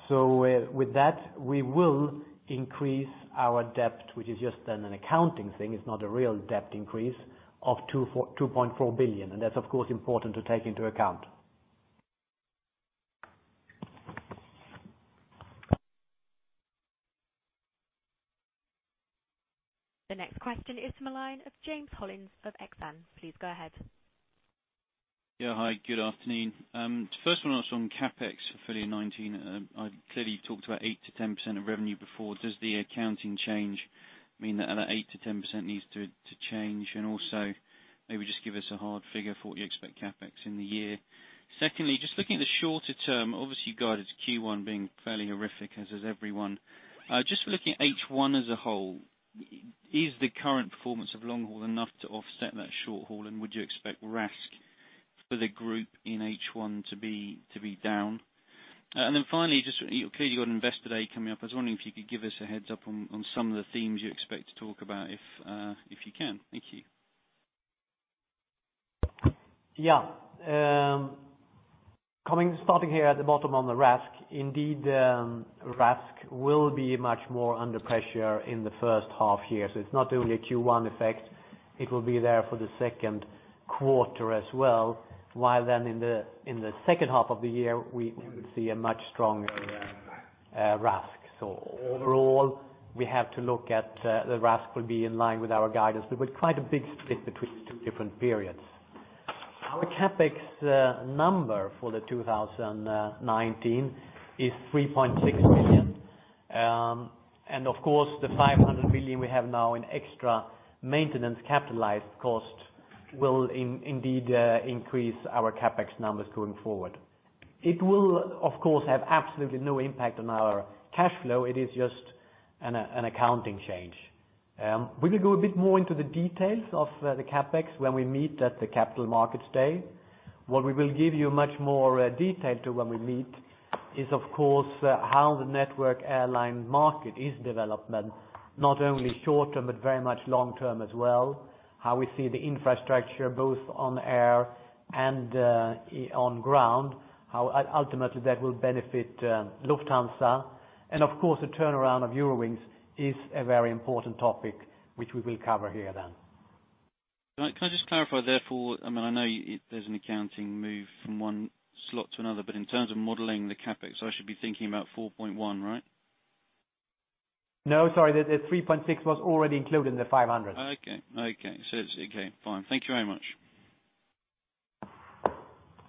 With that, we will increase our debt, which is just an accounting thing. It's not a real debt increase of 2.4 billion, that's, of course, important to take into account. The next question is from the line of James Hollins of Exane. Please go ahead. Hi, good afternoon. First one was on CapEx for full year 2019. Clearly, you talked about 8%-10% of revenue before. Does the accounting change mean that that 8%-10% needs to change? Also, maybe just give us a hard figure for what you expect CapEx in the year. Secondly, just looking at the shorter term, obviously, you guided Q1 being fairly horrific as is everyone. Just looking at H1 as a whole, is the current performance of long haul enough to offset that short haul? Would you expect RASK for the group in H1 to be down? Finally, clearly you've got Investor Day coming up. I was wondering if you could give us a heads up on some of the themes you expect to talk about, if you can. Thank you. Starting here at the bottom on the RASK. Indeed, RASK will be much more under pressure in the first half-year. So it's not only a Q1 effect, it will be there for the second quarter as well, while then in the second half-year, we would see a much stronger RASK. Overall, we have to look at the RASK will be in line with our guidance, but with quite a big split between the two different periods. Our CapEx number for 2019 is 3.6 billion. Of course, the 500 million we have now in extra maintenance capitalized cost will indeed increase our CapEx numbers going forward. It will, of course, have absolutely no impact on our cash flow. It is just an accounting change. We will go a bit more into the details of the CapEx when we meet at the Capital Markets Day. What we will give you much more detail to when we meet is, of course, how the network airline market is developing, not only short term, but very much long term as well. How we see the infrastructure both on air and on ground. How ultimately that will benefit Lufthansa. Of course, the turnaround of Eurowings is a very important topic, which we will cover here then. Can I just clarify, therefore, I know there's an accounting move from one slot to another, but in terms of modeling the CapEx, I should be thinking about 4.1, right? No, sorry. The 3.6 was already included in the 500. Okay. Fine. Thank you very much.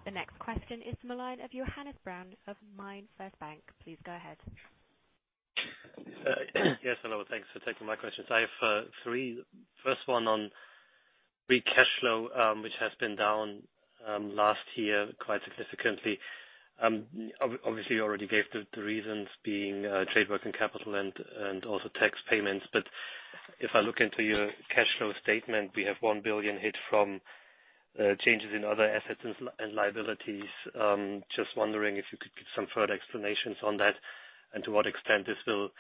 The next question is from the line of Johannes Braun of MainFirst Bank. Please go ahead. Yes, hello. Thanks for taking my questions. I have three. First one on free cash flow, which has been down last year quite significantly. Obviously, you already gave the reasons being trade working capital and also tax payments. If I look into your cash flow statement, we have a 1 billion hit from changes in other assets and liabilities. Just wondering if you could give some further explanations on that and to what extent this will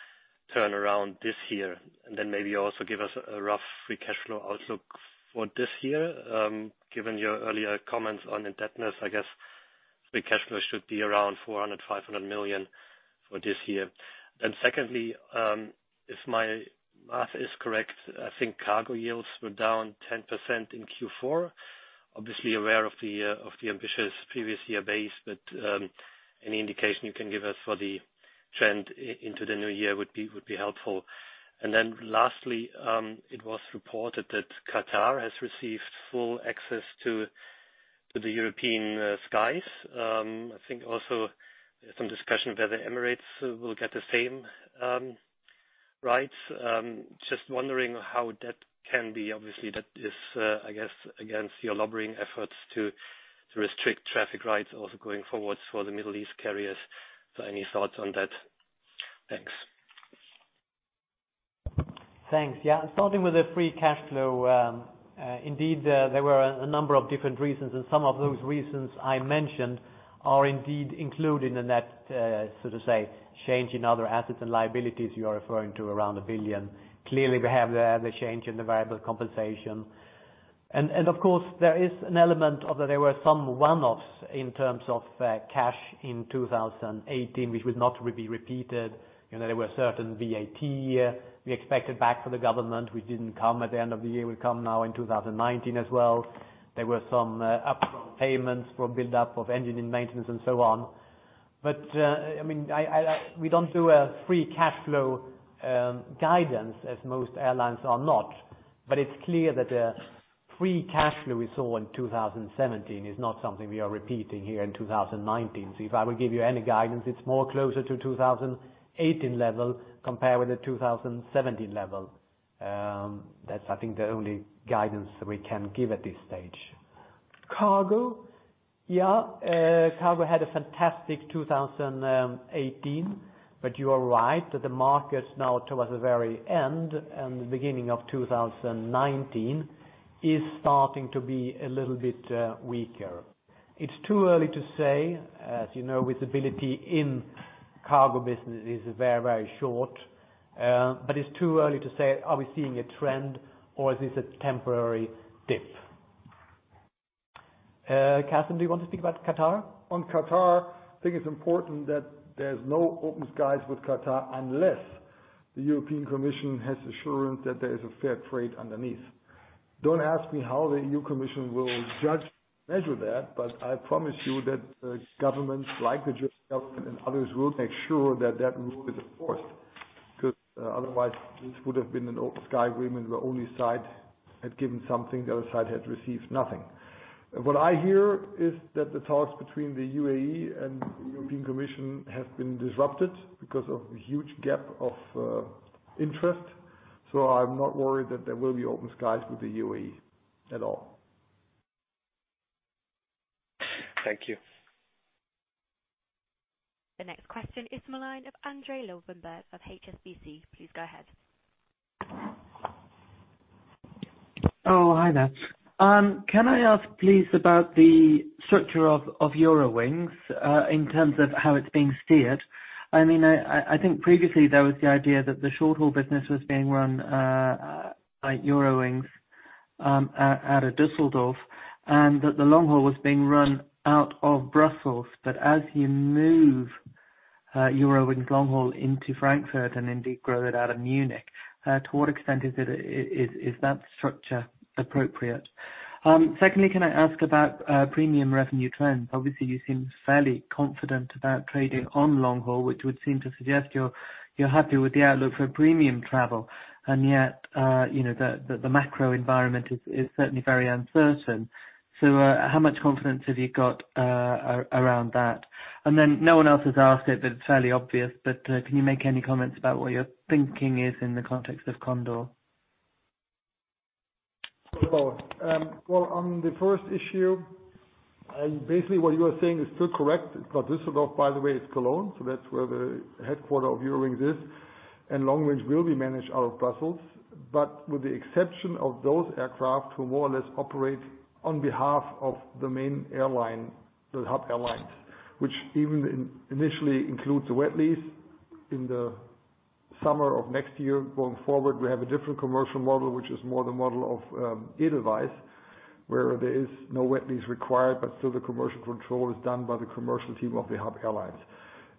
turn around this year, and then maybe also give us a rough free cash flow outlook for this year. Given your earlier comments on indebtedness, I guess free cash flow should be around 400 million-500 million for this year. Secondly, if my math is correct, I think cargo yields were down 10% in Q4. Obviously aware of the ambitious previous year base, any indication you can give us for the trend into the new year would be helpful. Lastly, it was reported that Qatar has received full access to the European skies. I think also there's some discussion whether Emirates will get the same rights. Just wondering how that can be. Obviously, that is, I guess, against your lobbying efforts to restrict traffic rights also going forward for the Middle East carriers. Any thoughts on that? Thanks. Thanks. Yeah. Starting with the free cash flow. Indeed, there were a number of different reasons, some of those reasons I mentioned are indeed included in that, so to say, change in other assets and liabilities you are referring to around 1 billion. Clearly, we have the change in the variable compensation. Of course, there is an element of that there were some one-offs in terms of cash in 2018, which would not be repeated. There were certain VAT we expected back from the government, which didn't come at the end of the year, will come now in 2019 as well. There were some up-front payments for build-up of engine and maintenance and so on. We don't do a free cash flow guidance as most airlines are not. It's clear that the free cash flow we saw in 2017 is not something we are repeating here in 2019. If I would give you any guidance, it's more closer to 2018 level compared with the 2017 level. That's, I think, the only guidance we can give at this stage. Cargo. Yeah, Cargo had a fantastic 2018, you are right that the market now towards the very end and the beginning of 2019 is starting to be a little bit weaker. It's too early to say. As you know, visibility in cargo business is very short. It's too early to say, are we seeing a trend or is this a temporary dip? Carsten, do you want to speak about Qatar? On Qatar, I think it's important that there's no open skies with Qatar unless the European Commission has assurance that there is a fair trade underneath. Don't ask me how the EU Commission will judge, measure that, but I promise you that governments like the German government and others will make sure that that rule is enforced, because otherwise, this would have been an open sky agreement where one side had given something, the other side had received nothing. What I hear is that the talks between the UAE and the European Commission have been disrupted because of a huge gap of interest. I'm not worried that there will be open skies with the UAE at all. Thank you. The next question is the line of Andrew Lobbenberg of HSBC. Please go ahead. Hi there. Can I ask, please, about the structure of Eurowings, in terms of how it's being steered? I think previously there was the idea that the short-haul business was being run by Eurowings out of Düsseldorf, and that the long haul was being run out of Brussels. As you move Eurowings long haul into Frankfurt and indeed grow it out of Munich, to what extent is that structure appropriate? Secondly, can I ask about premium revenue trends? Obviously, you seem fairly confident about trading on long haul, which would seem to suggest you're happy with the outlook for premium travel, and yet the macro environment is certainly very uncertain. How much confidence have you got around that? No one else has asked it, but it's fairly obvious, but can you make any comments about what your thinking is in the context of Condor? On the first issue, basically what you are saying is still correct. Düsseldorf, by the way, is Cologne, that's where the headquarter of Eurowings is, and long range will be managed out of Brussels. With the exception of those aircraft who more or less operate on behalf of the main airline, the Network Airlines. Which even initially includes the wet lease in the summer of next year going forward. We have a different commercial model, which is more the model of Edelweiss, where there is no wet lease required, but still the commercial control is done by the commercial team of the Network Airlines.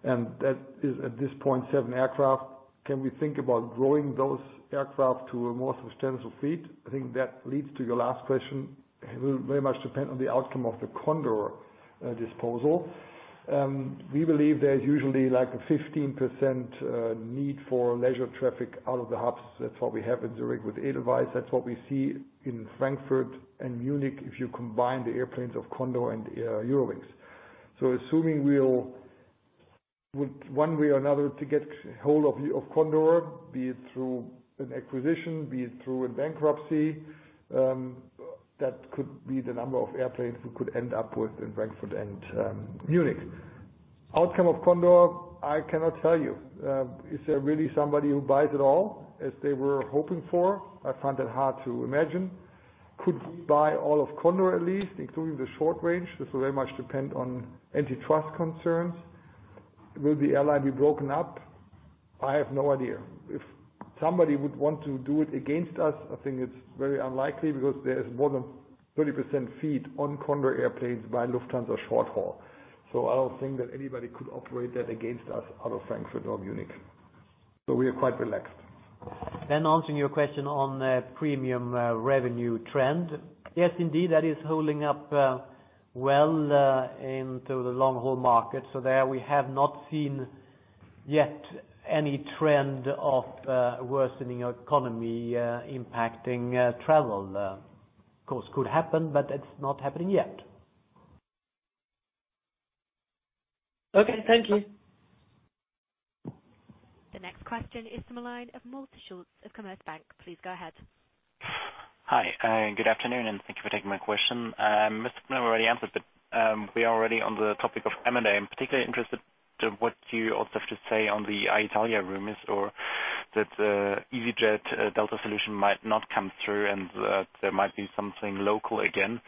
That is at this point 7 aircraft. Can we think about growing those aircraft to a more substantial fleet? I think that leads to your last question. It will very much depend on the outcome of the Condor disposal. We believe there's usually, like, a 15% need for leisure traffic out of the hubs. That's what we have in Zurich with Edelweiss. That's what we see in Frankfurt and Munich if you combine the airplanes of Condor and Eurowings. Assuming we'll, one way or another, to get hold of Condor, be it through an acquisition, be it through a bankruptcy, that could be the number of airplanes we could end up with in Frankfurt and Munich. Outcome of Condor, I cannot tell you. Is there really somebody who buys it all as they were hoping for? I find that hard to imagine. Could we buy all of Condor, at least, including the short range? This will very much depend on antitrust concerns. Will the airline be broken up? I have no idea. If somebody would want to do it against us, I think it's very unlikely because there is more than 30% fleet on Condor airplanes by Lufthansa short haul. I don't think that anybody could operate that against us out of Frankfurt or Munich. We are quite relaxed. Answering your question on premium revenue trend. Yes, indeed, that is holding up well into the long-haul market. There we have not seen yet any trend of worsening economy impacting travel, of course could happen, but it's not happening yet. Okay, thank you. The next question is from Malte Schulz of Commerzbank. Please go ahead. Hi, good afternoon, and thank you for taking my question. Mr. Klein already answered. We are already on the topic of M&A. I'm particularly interested to what you also have to say on the Alitalia rumors, that easyJet Delta solution might not come through and that there might be something local again.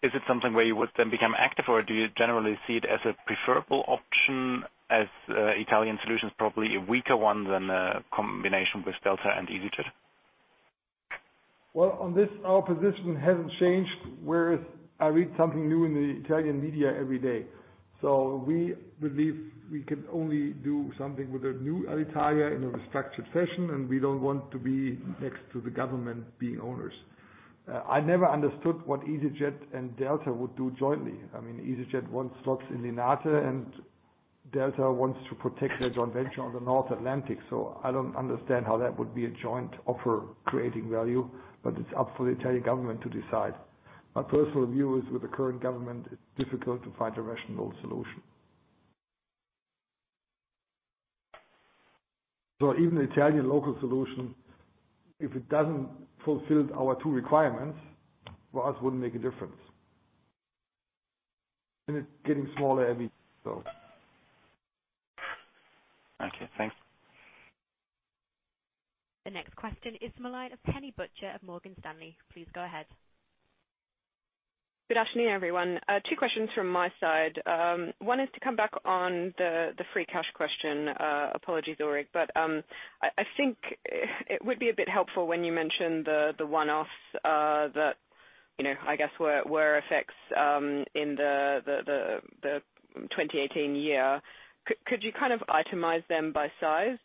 Is it something where you would then become active, or do you generally see it as a preferable option as Italian solution's probably a weaker one than a combination with Delta and easyJet? Well, on this, our position hasn't changed, whereas I read something new in the Italian media every day. We believe we can only do something with a new Alitalia in a restructured fashion, and we don't want to be next to the government being owners. I never understood what easyJet and Delta would do jointly. easyJet wants slots in Linate and Delta wants to protect their joint venture on the North Atlantic. I don't understand how that would be a joint offer creating value, but it's up for the Italian government to decide. My personal view is, with the current government, it's difficult to find a rational solution. Even the Italian local solution, if it doesn't fulfill our two requirements, for us wouldn't make a difference. It's getting smaller every so. Okay, thanks. The next question is from analyst Penny Butcher of Morgan Stanley. Please go ahead. Good afternoon, everyone. two questions from my side. One is to come back on the free cash question. Apologies, Ulrik, but I think it would be a bit helpful when you mention the one-offs that I guess were effects in the 2018 year. Could you itemize them by size?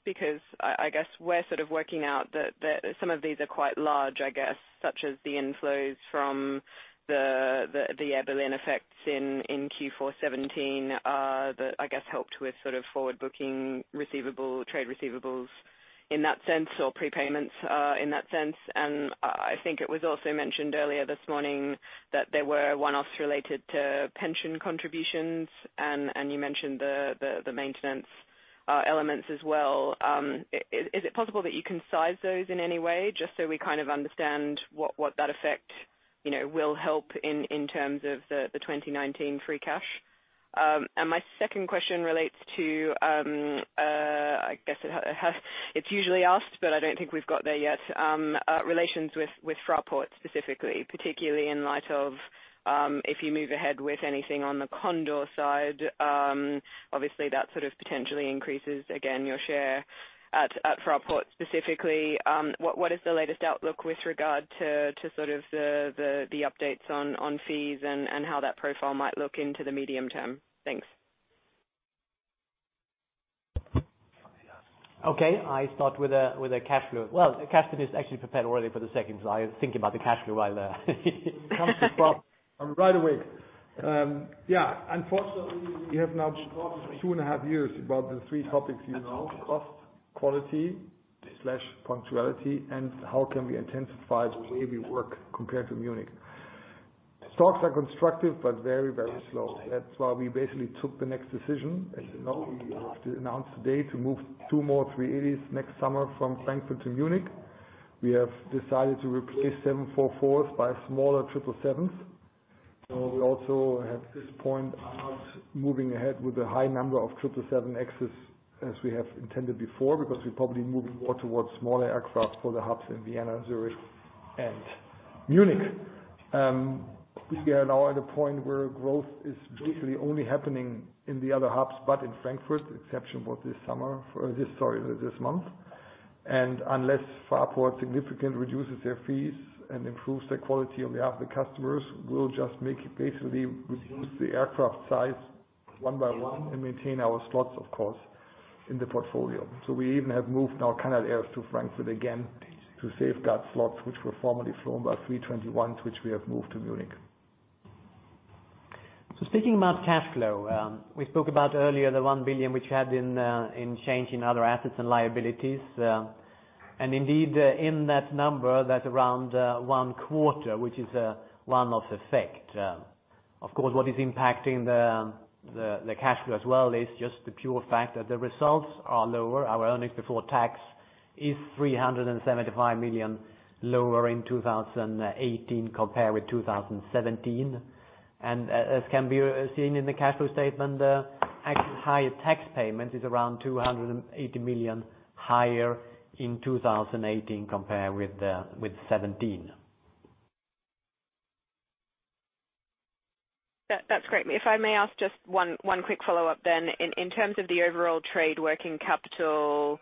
I guess we're working out that some of these are quite large, I guess, such as the inflows from the Air Berlin effects in Q4 2017, that I guess helped with forward booking receivable, trade receivables in that sense, or prepayments in that sense. I think it was also mentioned earlier this morning that there were one-offs related to pension contributions and you mentioned the maintenance elements as well. Is it possible that you can size those in any way, just so we understand what that effect will help in terms of the 2019 free cash? My second question relates to, I guess it's usually asked, but I don't think we've got there yet. Relations with Fraport specifically, particularly in light of, if you move ahead with anything on the Condor side, obviously that potentially increases, again, your share at Fraport specifically. What is the latest outlook with regard to the updates on fees and how that profile might look into the medium term? Thanks. Okay. I start with the cash flow. Well, Carsten is actually prepared already for the second slide. Thinking about the cash flow while Comes to crop right away. Yeah. Unfortunately, we have now talked two and a half years about the three topics you know: cost, quality/punctuality, and how can we intensify the way we work compared to Munich. Talks are constructive, but very, very slow. We basically took the next decision. As you know, we have announced today to move two more A380s next summer from Frankfurt to Munich. We have decided to replace 744s by smaller 777s. We also at this point are not moving ahead with the high number of 777Xs as we have intended before because we're probably moving more towards smaller aircraft for the hubs in Vienna, Zurich, and Munich. We are now at a point where growth is basically only happening in the other hubs, but in Frankfurt. The exception was this summer for this month. Unless Fraport significantly reduces their fees and improves the quality on behalf of the customers, we'll just make it basically reduce the aircraft size one by one and maintain our slots, of course, in the portfolio. We even have moved now Air Canada to Frankfurt again to safeguard slots which were formerly flown by A321, which we have moved to Munich. Speaking about cash flow. We spoke about earlier the one billion which we had in change in other assets and liabilities. Indeed, in that number, that's around one quarter, which is a one-off effect. Of course, what is impacting the cash flow as well is just the pure fact that the results are lower. Our earnings before tax is 375 million lower in 2018 compared with 2017. As can be seen in the cash flow statement, the actual higher tax payment is around 280 million higher in 2018 compared with 2017. That's great. If I may ask just one quick follow-up then. In terms of the overall trade working capital,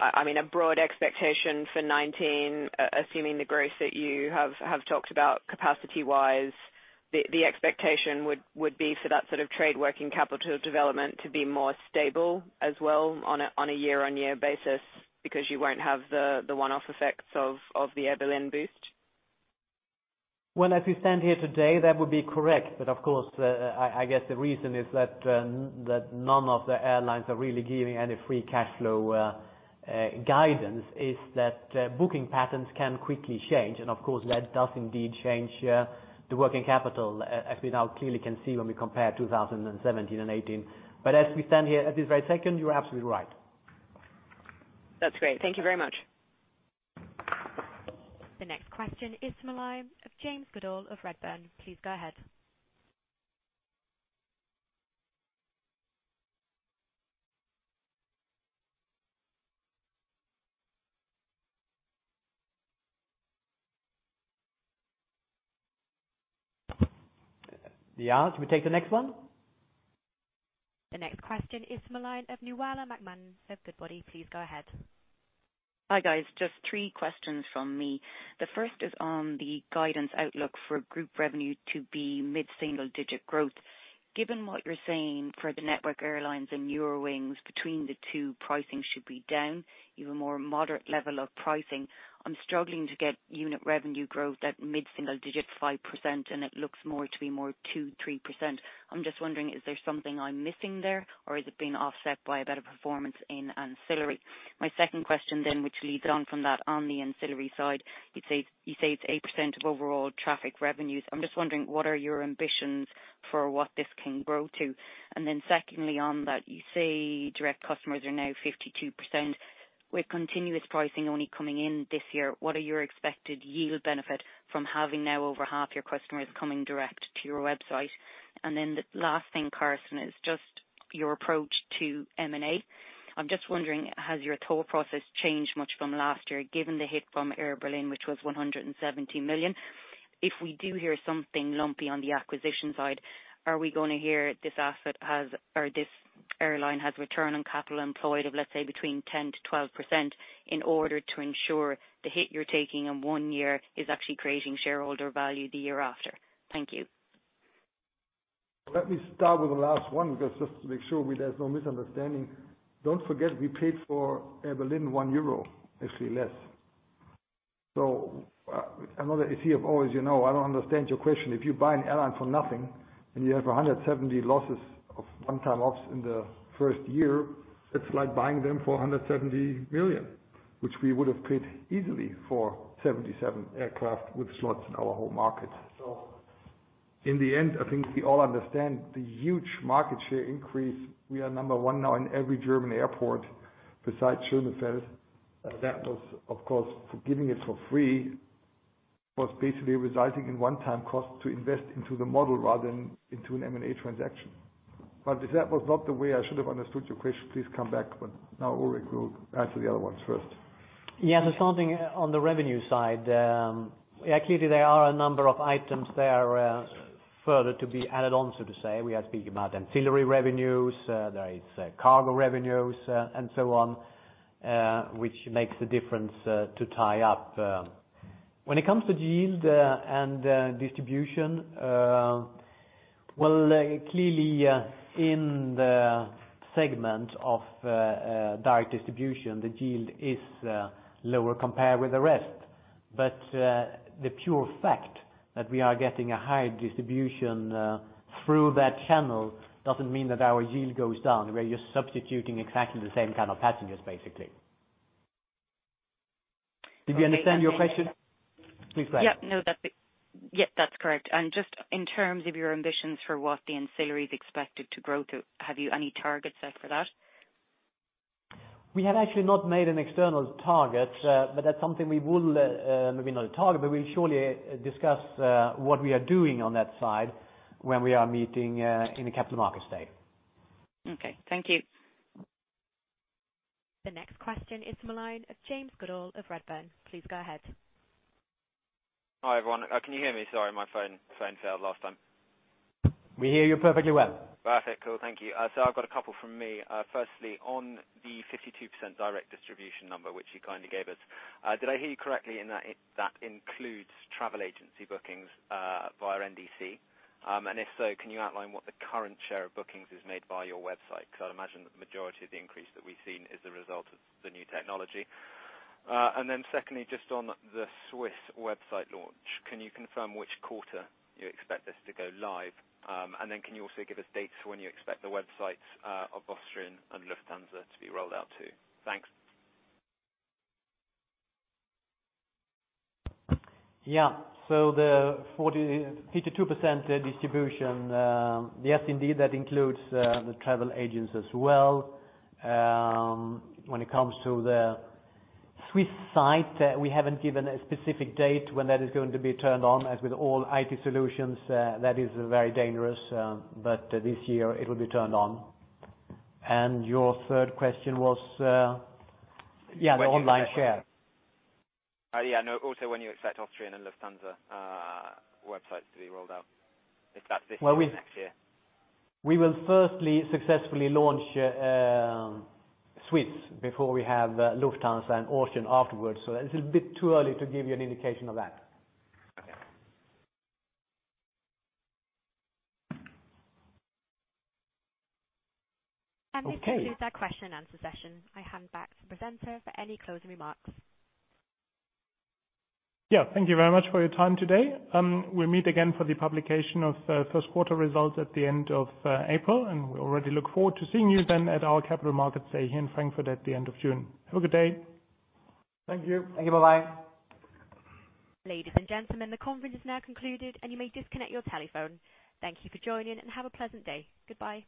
a broad expectation for 2019, assuming the growth that you have talked about capacity-wise, the expectation would be for that sort of trade working capital development to be more stable as well on a year-on-year basis, because you won't have the one-off effects of the Air Berlin boost? Well, as we stand here today, that would be correct. Of course, I guess the reason is that none of the airlines are really giving any free cash flow guidance is that booking patterns can quickly change. Of course, that does indeed change the working capital, as we now clearly can see when we compare 2017 and 2018. As we stand here at this very second, you're absolutely right. That's great. Thank you very much. The next question is the line of James Goodall of Redburn. Please go ahead. Yeah. Should we take the next one? The next question is the line of Nuala McMahon of Goodbody. Please go ahead. Hi, guys. Just three questions from me. The first is on the guidance outlook for group revenue to be mid-single digit growth. Given what you're saying for the Network Airlines and Eurowings between the two, pricing should be down, even more moderate level of pricing. I'm struggling to get unit revenue growth at mid-single digit 5%, and it looks more to be more 2%, 3%. I'm just wondering, is there something I'm missing there? Is it being offset by a better performance in ancillary? My second question then, which leads on from that, on the ancillary side, you say it's 8% of overall traffic revenues. I'm just wondering, what are your ambitions for what this can grow to? Secondly on that, you say direct customers are now 52% with continuous pricing only coming in this year. What are your expected yield benefit from having now over half your customers coming direct to your website? The last thing, Carsten, is just your approach to M&A. I'm just wondering, has your tour process changed much from last year given the hit from Air Berlin, which was 170 million? If we do hear something lumpy on the acquisition side, are we going to hear this airline has return on capital employed of, let's say, between 10%-12% in order to ensure the hit you're taking in one year is actually creating shareholder value the year after? Thank you. Let me start with the last one, because just to make sure there's no misunderstanding. Don't forget we paid for Air Berlin 1 euro, actually less. Another issue of all, as you know, I don't understand your question. If you buy an airline for nothing and you have 170 losses of one-time loss in the first year, it's like buying them for 170 million, which we would have paid easily for 77 aircraft with slots in our home market. In the end, I think we all understand the huge market share increase. We are number one now in every German airport besides Schönefeld. That was, of course, giving it for free, was basically resulting in one-time cost to invest into the model rather than into an M&A transaction. If that was not the way I should have understood your question, please come back. Now Ulrik will answer the other ones first. Something on the revenue side. Clearly there are a number of items there further to be added on, so to say. We are speaking about ancillary revenues, there is cargo revenues and so on, which makes the difference to tie up. When it comes to yield and distribution, well, clearly, in the segment of direct distribution, the yield is lower compared with the rest. The pure fact that we are getting a high distribution through that channel doesn't mean that our yield goes down. We're just substituting exactly the same kind of passengers, basically. Did you understand my question? Please go ahead. That's correct. Just in terms of your ambitions for what the ancillary is expected to grow to, have you any targets set for that? We have actually not made an external target. That's something we will, maybe not a target, but we'll surely discuss what we are doing on that side when we are meeting in the Capital Markets Day. Okay. Thank you. The next question is the line of James Goodall of Redburn. Please go ahead. Hi, everyone. Can you hear me? Sorry, my phone failed last time. We hear you perfectly well. Perfect. Cool. Thank you. I've got a couple from me. Firstly, on the 52% direct distribution number, which you kindly gave us, did I hear you correctly in that includes travel agency bookings via NDC? If so, can you outline what the current share of bookings is made by your website? Because I'd imagine that the majority of the increase that we've seen is the result of the new technology. Secondly, just on the SWISS website launch, can you confirm which quarter you expect this to go live? Can you also give us dates for when you expect the websites of Austrian Airlines and Lufthansa to be rolled out, too? Thanks. The 52% distribution. Yes, indeed, that includes the travel agents as well. When it comes to the SWISS site, we haven't given a specific date when that is going to be turned on. As with all IT solutions, that is very dangerous. But this year it will be turned on. Your third question was? The online share. Also, when you expect Austrian Airlines and Lufthansa websites to be rolled out, if that's this year or next year. We will firstly successfully launch SWISS before we have Lufthansa and Austrian afterwards. It's a bit too early to give you an indication of that. Okay. This concludes our question and answer session. I hand back to presenter for any closing remarks. Thank you very much for your time today. We'll meet again for the publication of first quarter results at the end of April. We already look forward to seeing you then at our capital markets day here in Frankfurt at the end of June. Have a good day. Thank you. Thank you. Bye-bye. Ladies and gentlemen, the conference is now concluded and you may disconnect your telephone. Thank you for joining and have a pleasant day. Goodbye.